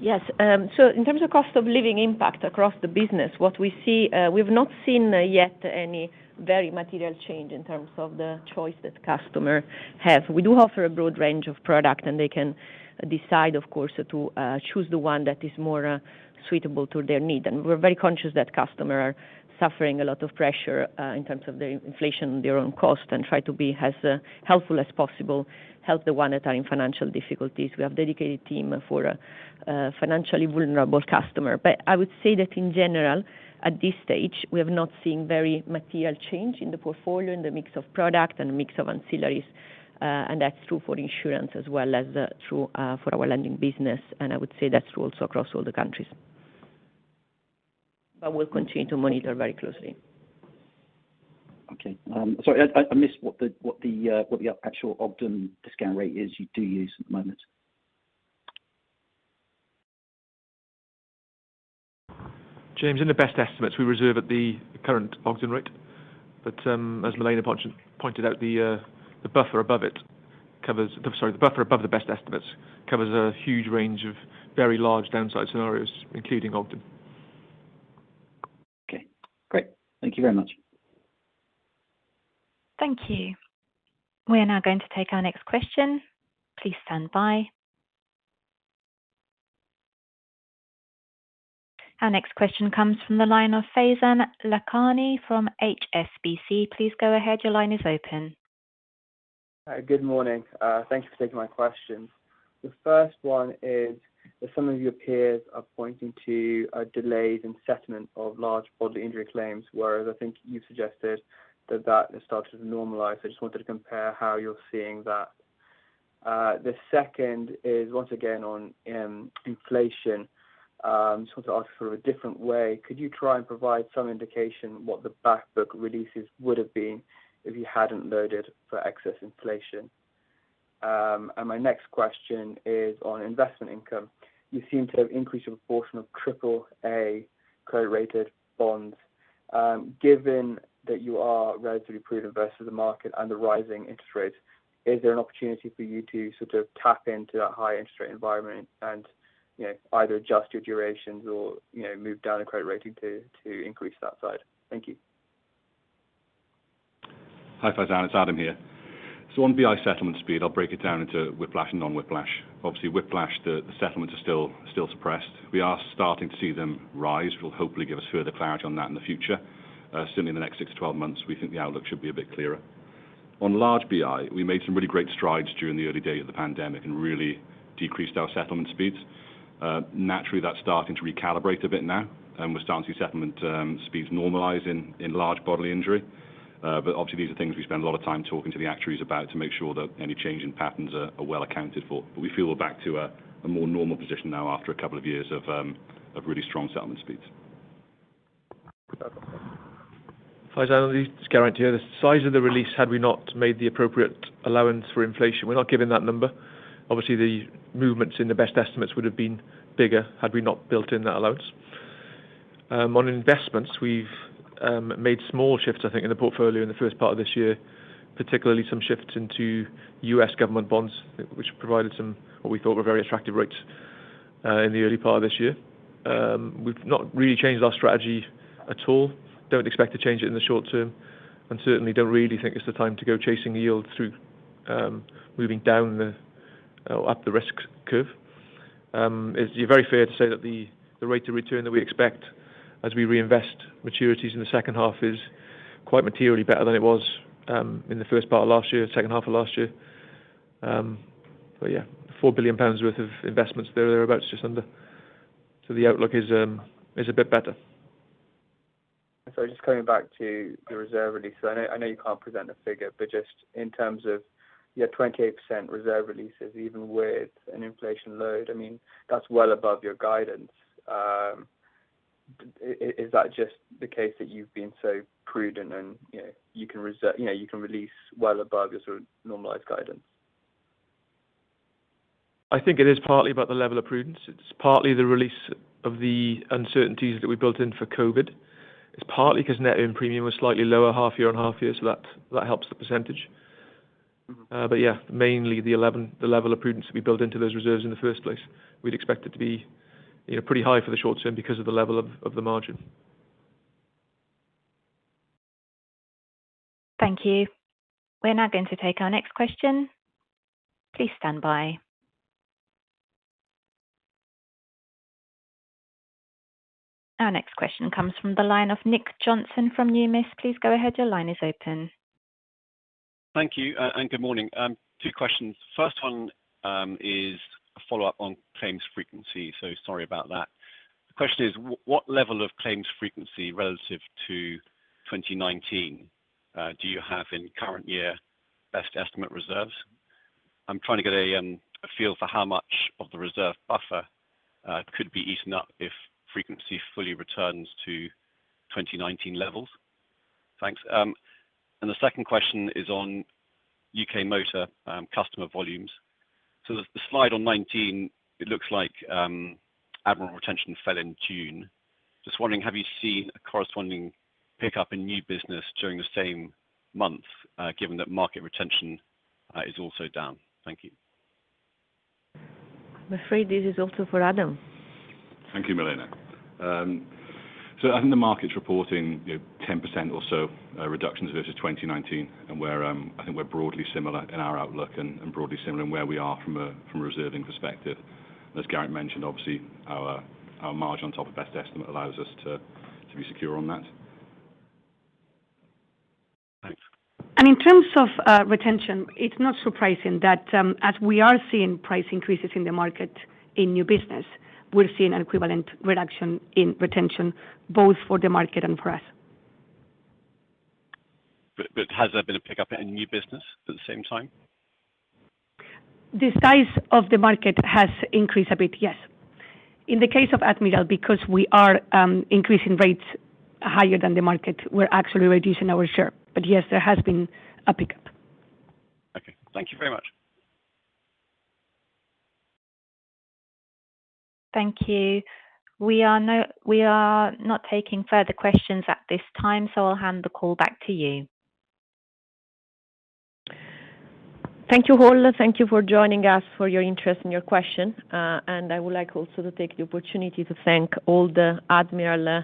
Yes. In terms of cost of living impact across the business, what we see, we've not seen yet any very material change in terms of the choice that customer have. We do offer a broad range of product, and they can decide, of course, to choose the one that is more suitable to their need. We're very conscious that customer are suffering a lot of pressure in terms of the inflation, their own cost, and try to be as helpful as possible, help the one that are in financial difficulties. We have dedicated team for financially vulnerable customer. I would say that in general, at this stage, we have not seen very material change in the portfolio, in the mix of product and mix of ancillaries. That's true for insurance as well as true for our lending business. I would say that's true also across all the countries. We'll continue to monitor very closely. Okay. Sorry, I missed what the actual Ogden discount rate is you do use at the moment? James, in the best estimates, we reserve at the current Ogden rate. As Milena pointed out, the buffer above the best estimates covers a huge range of very large downside scenarios, including Ogden. Okay, great. Thank you very much. Thank you. We are now going to take our next question. Please stand by. Our next question comes from the line of Faizan Lakhani from HSBC. Please go ahead. Your line is open. Good morning. Thank you for taking my questions. The first one is that some of your peers are pointing to delays in settlement of large bodily injury claims, whereas I think you suggested that that has started to normalize. I just wanted to compare how you're seeing that. The second is, once again, on inflation. I just want to ask for a different way. Could you try and provide some indication what the back book releases would have been if you hadn't loaded for excess inflation. My next question is on investment income. You seem to have increased your portion of triple A credit rated bonds. Given that you are relatively prudent versus the market and the rising interest rates, is there an opportunity for you to sort of tap into that high interest rate environment and, you know, either adjust your durations or, you know, move down a credit rating to increase that side? Thank you. Hi, Faizan. It's Adam here. On BI settlement speed, I'll break it down into whiplash and non-whiplash. Obviously, whiplash, the settlements are still suppressed. We are starting to see them rise, will hopefully give us further clarity on that in the future. Certainly in the next six to 12 months, we think the outlook should be a bit clearer. On large BI, we made some really great strides during the early days of the pandemic and really decreased our settlement speeds. Naturally, that's starting to recalibrate a bit now, and we're starting to see settlement speeds normalize in large bodily injury. Obviously these are things we spend a lot of time talking to the actuaries about to make sure that any change in patterns are well accounted for. We feel we're back to a more normal position now after a couple of years of really strong settlement speeds. With that. Faizan, it's Geraint here. The size of the release had we not made the appropriate allowance for inflation, we're not given that number. Obviously, the movements in the best estimates would have been bigger had we not built in that allowance. On investments, we've made small shifts, I think, in the portfolio in the first part of this year, particularly some shifts into U.S. government bonds, which provided some, what we thought were very attractive rates, in the early part of this year. We've not really changed our strategy at all. Don't expect to change it in the short term, and certainly don't really think it's the time to go chasing yields through moving down the, or up the risk curve. It's very fair to say that the rate of return that we expect as we reinvest maturities in the second half is quite materially better than it was in the first part of last year, second half of last year. But yeah, 4 billion pounds worth of investments there, thereabouts just under. The outlook is a bit better. Just coming back to the reserve release. I know you can't present a figure, but just in terms of your 28% reserve releases, even with an inflation load, I mean, that's well above your guidance. Is that just the case that you've been so prudent and, you know, you can release well above your sort of normalized guidance? I think it is partly about the level of prudence. It's partly the release of the uncertainties that we built in for COVID. It's partly 'cause net written premium was slightly lower half year and half year, so that helps the percentage. Yeah, mainly the level of prudence that we built into those reserves in the first place. We'd expect it to be, you know, pretty high for the short term because of the level of the margin. Thank you. We're now going to take our next question. Please stand by. Our next question comes from the line of Nick Johnson from Numis. Please go ahead. Your line is open. Thank you and good morning. Two questions. First one is a follow-up on claims frequency, so sorry about that. The question is what level of claims frequency relative to 2019 do you have in current year best estimate reserves? I'm trying to get a feel for how much of the reserve buffer could be eaten up if frequency fully returns to 2019 levels. Thanks. The second question is on UK Motor customer volumes. The slide 19, it looks like Admiral retention fell in June. Just wondering, have you seen a corresponding pickup in new business during the same month, given that market retention is also down? Thank you. I'm afraid this is also for Adam. Thank you, Milena. I think the market's reporting, you know, 10% or so reductions versus 2019, and I think we're broadly similar in our outlook and broadly similar in where we are from a reserving perspective. As Geraint mentioned, obviously, our margin on top of best estimate allows us to be secure on that. Thanks. In terms of retention, it's not surprising that as we are seeing price increases in the market in new business, we're seeing an equivalent reduction in retention both for the market and for us. Has there been a pickup in new business at the same time? The size of the market has increased a bit, yes. In the case of Admiral, because we are increasing rates higher than the market, we're actually reducing our share. Yes, there has been a pickup. Okay. Thank you very much. Thank you. We are not taking further questions at this time, so I'll hand the call back to you. Thank you all. Thank you for joining us, for your interest and your question. I would like also to take the opportunity to thank all the Admiral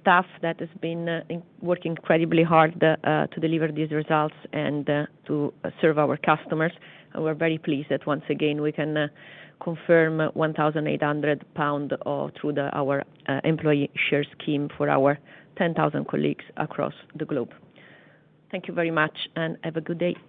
staff that has been working incredibly hard to deliver these results and to serve our customers. We're very pleased that once again, we can confirm 1,800 pounds through our employee share scheme for our 10,000 colleagues across the globe. Thank you very much and have a good day.